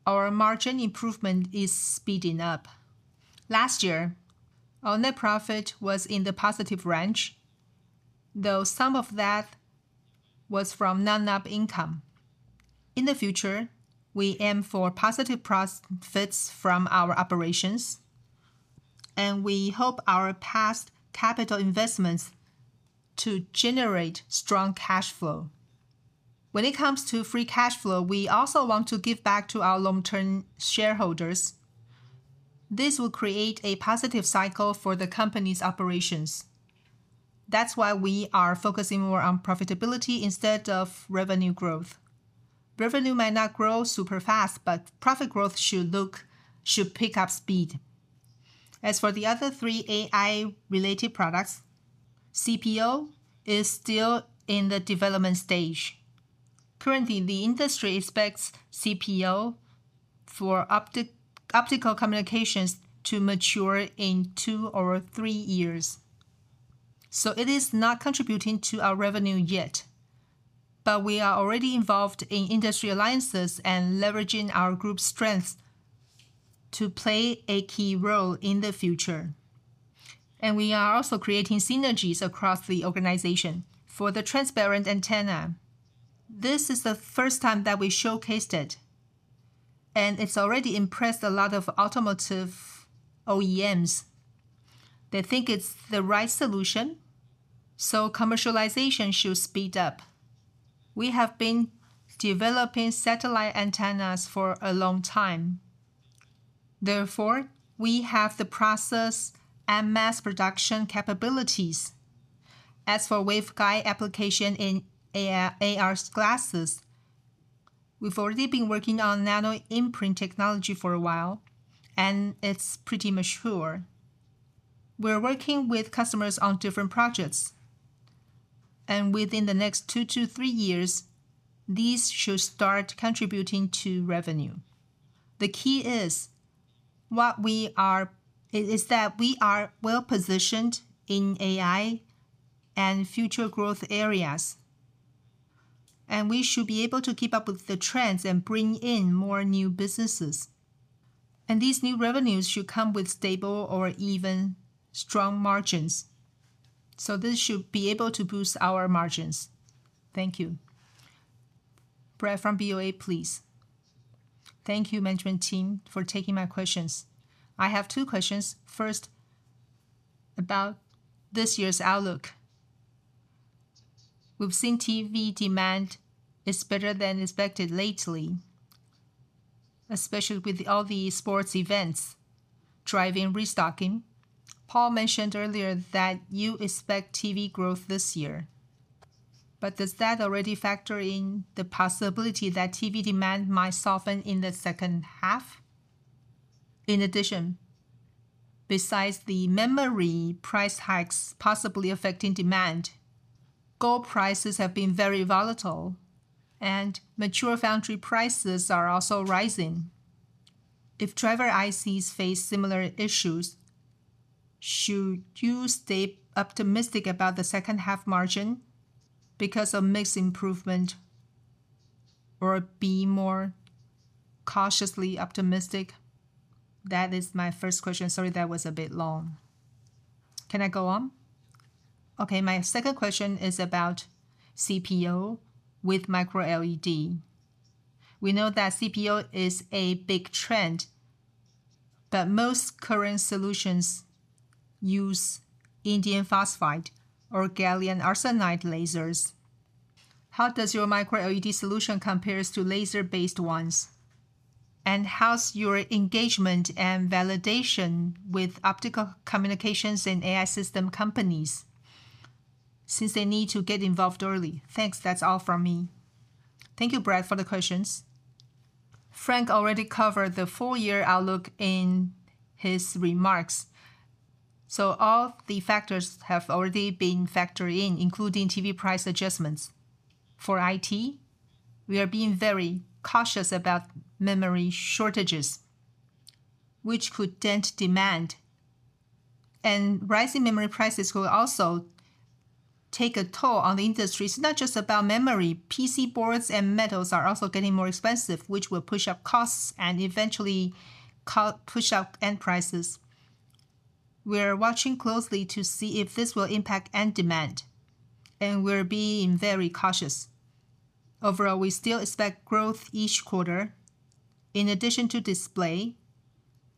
our margin improvement is speeding up. Last year, our net profit was in the positive range, though some of that was from non-GAAP income. In the future, we aim for positive profits from our operations... and we hope our past capital investments to generate strong cash flow. When it comes to free cash flow, we also want to give back to our long-term shareholders. This will create a positive cycle for the company's operations. That's why we are focusing more on profitability instead of revenue growth. Revenue might not grow super fast, but profit growth should pick up speed. As for the other three AI-related products, CPO is still in the development stage. Currently, the industry expects CPO for optical communications to mature in two or three years, so it is not contributing to our revenue yet. But we are already involved in industry alliances and leveraging our group's strength to play a key role in the future, and we are also creating synergies across the organization. For the transparent antenna, this is the first time that we showcased it, and it's already impressed a lot of automotive OEMs. They think it's the right solution, so commercialization should speed up. We have been developing satellite antennas for a long time. Therefore, we have the process and mass production capabilities. As for waveguide application in AR, AR glasses, we've already been working on nanoimprint technology for a while, and it's pretty mature. We're working with customers on different projects, and within the next two to three years, these should start contributing to revenue. The key is, what we are is that we are well-positioned in AI and future growth areas, and we should be able to keep up with the trends and bring in more new businesses. And these new revenues should come with stable or even strong margins, so this should be able to boost our margins. Thank you. Brad from BOA, please. Thank you, management team, for taking my questions. I have two questions. First, about this year's outlook. We've seen TV demand is better than expected lately, especially with all the sports events driving restocking. Paul mentioned earlier that you expect TV growth this year, but does that already factor in the possibility that TV demand might soften in the second half? In addition, besides the memory price hikes possibly affecting demand, gold prices have been very volatile, and mature foundry prices are also rising. If driver ICs face similar issues, should you stay optimistic about the second half margin because of mix improvement or be more cautiously optimistic? That is my first question. Sorry, that was a bit long. Can I go on? Okay. My second question is about CPO with Micro LED. We know that CPO is a big trend, but most current solutions use indium phosphide or gallium arsenide lasers. How does your Micro LED solution compares to laser-based ones? And how's your engagement and validation with optical communications and AI system companies, since they need to get involved early? Thanks. That's all from me. Thank you, Brad, for the questions. Frank already covered the full year outlook in his remarks, so all the factors have already been factored in, including TV price adjustments. For IT, we are being very cautious about memory shortages, which could dent demand. And rising memory prices will also take a toll on the industry. It's not just about memory. PC boards and metals are also getting more expensive, which will push up costs and eventually push up end prices. We're watching closely to see if this will impact end demand, and we're being very cautious. Overall, we still expect growth each quarter. In addition to display,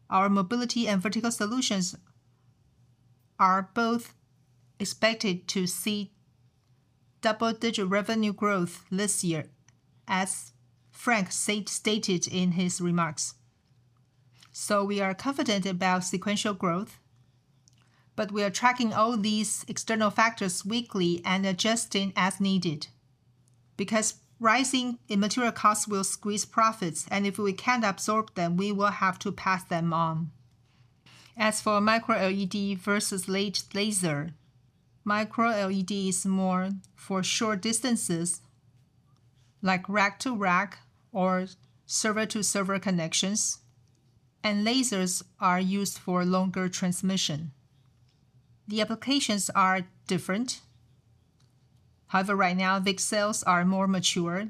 our mobility and vertical solutions are both expected to see double-digit revenue growth this year, as Frank said, stated in his remarks. We are confident about sequential growth, but we are tracking all these external factors weekly and adjusting as needed, because rising in material costs will squeeze profits, and if we can't absorb them, we will have to pass them on. As for Micro LED versus VCSEL laser, Micro LED is more for short distances, like rack to rack or server to server connections, and lasers are used for longer transmission. The applications are different. However, right now, VCSELs are more mature,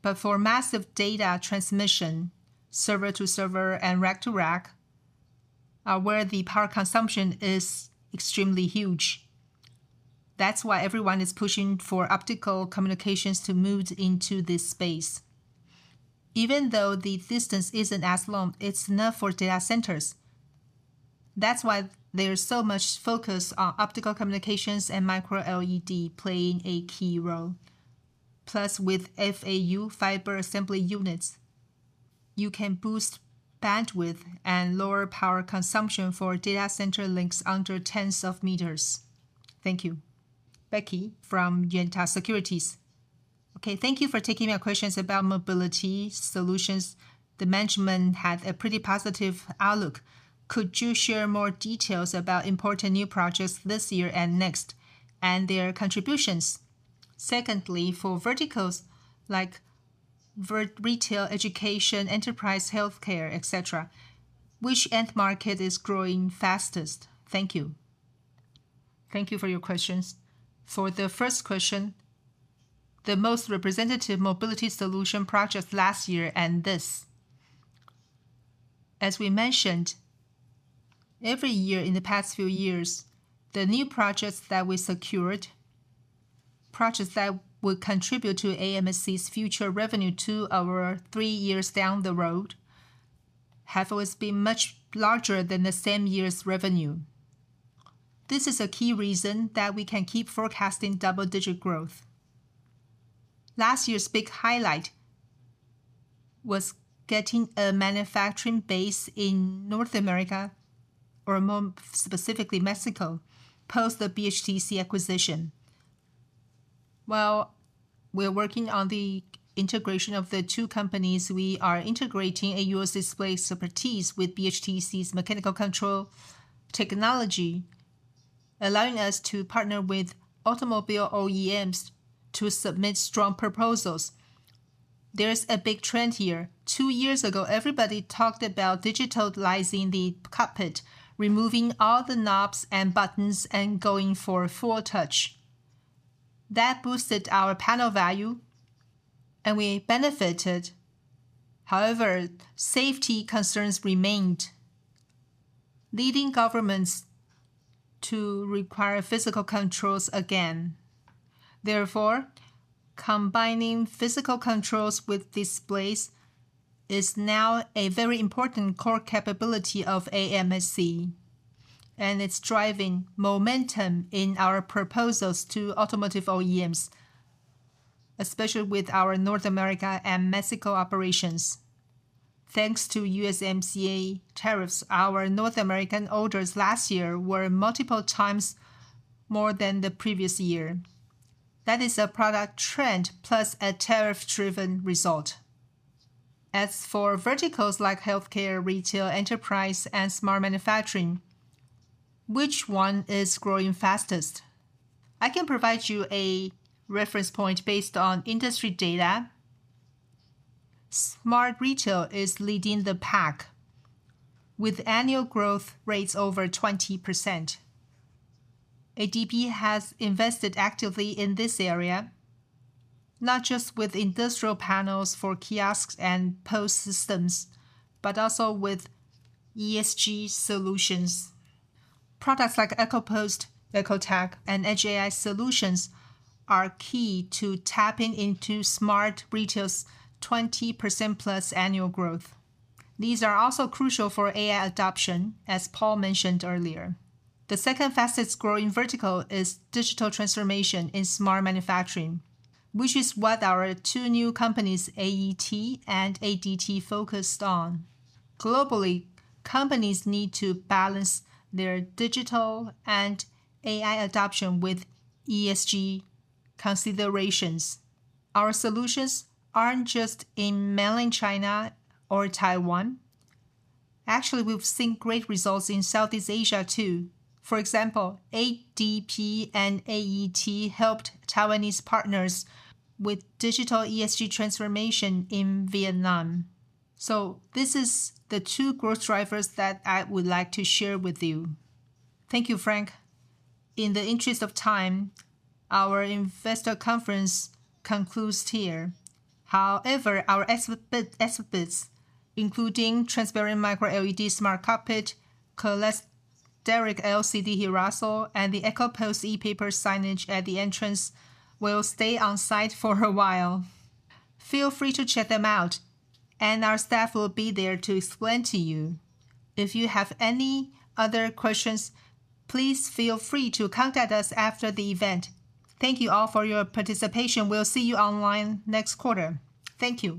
but for massive data transmission, server to server and rack to rack are where the power consumption is extremely huge.... That's why everyone is pushing for optical communications to move into this space. Even though the distance isn't as long, it's enough for data centers. That's why there's so much focus on optical communications and Micro LED playing a key role. Plus, with FAU, Fiber Assembly Units, you can boost bandwidth and lower power consumption for data center links under tens of meters. Thank you. Becky from Yuanta Securities. Okay, thank you for taking my questions about mobility solutions. The management had a pretty positive outlook. Could you share more details about important new projects this year and next, and their contributions? Secondly, for verticals like retail, education, enterprise, healthcare, et cetera, which end market is growing fastest? Thank you. Thank you for your questions. For the first question, the most representative mobility solution projects last year and this. As we mentioned, every year in the past few years, the new projects that we secured, projects that will contribute to AMSC's future revenue two or three years down the road, have always been much larger than the same year's revenue. This is a key reason that we can keep forecasting double-digit growth. Last year's big highlight was getting a manufacturing base in North America, or more specifically, Mexico, post the BHTC acquisition. While we're working on the integration of the two companies, we are integrating AUO's display expertise with BHTC's mechanical control technology, allowing us to partner with automobile OEMs to submit strong proposals. There's a big trend here. 2 years ago, everybody talked about digitalizing the cockpit, removing all the knobs and buttons and going for full touch. That boosted our panel value, and we benefited. However, safety concerns remained, leading governments to require physical controls again. Therefore, combining physical controls with displays is now a very important core capability of AMSC, and it's driving momentum in our proposals to automotive OEMs, especially with our North America and Mexico operations. Thanks to USMCA tariffs, our North American orders last year were multiple times more than the previous year. That is a product trend plus a tariff-driven result. As for verticals like healthcare, retail, enterprise, and smart manufacturing, which one is growing fastest? I can provide you a reference point based on industry data. Smart retail is leading the pack, with annual growth rates over 20%. ADP has invested actively in this area, not just with industrial panels for kiosks and POS systems, but also with ESG solutions. Products like Eco-Poster, EcoTag, and Edge AI solutions are key to tapping into smart retail's 20%+ annual growth. These are also crucial for AI adoption, as Paul mentioned earlier. The second fastest-growing vertical is digital transformation in smart manufacturing, which is what our two new companies, AET and ADT, focused on. Globally, companies need to balance their digital and AI adoption with ESG considerations. Our solutions aren't just in mainland China or Taiwan. Actually, we've seen great results in Southeast Asia, too. For example, ADP and AET helped Taiwanese partners with digital ESG transformation in Vietnam. So this is the two growth drivers that I would like to share with you. Thank you, Frank. In the interest of time, our investor conference concludes here. However, our exhibits, including transparent Micro LED smart cockpit, Cholesteric LCD HiRaso, and the Eco-Poster e-paper signage at the entrance will stay on site for a while. Feel free to check them out, and our staff will be there to explain to you. If you have any other questions, please feel free to contact us after the event. Thank you all for your participation. We'll see you online next quarter. Thank you.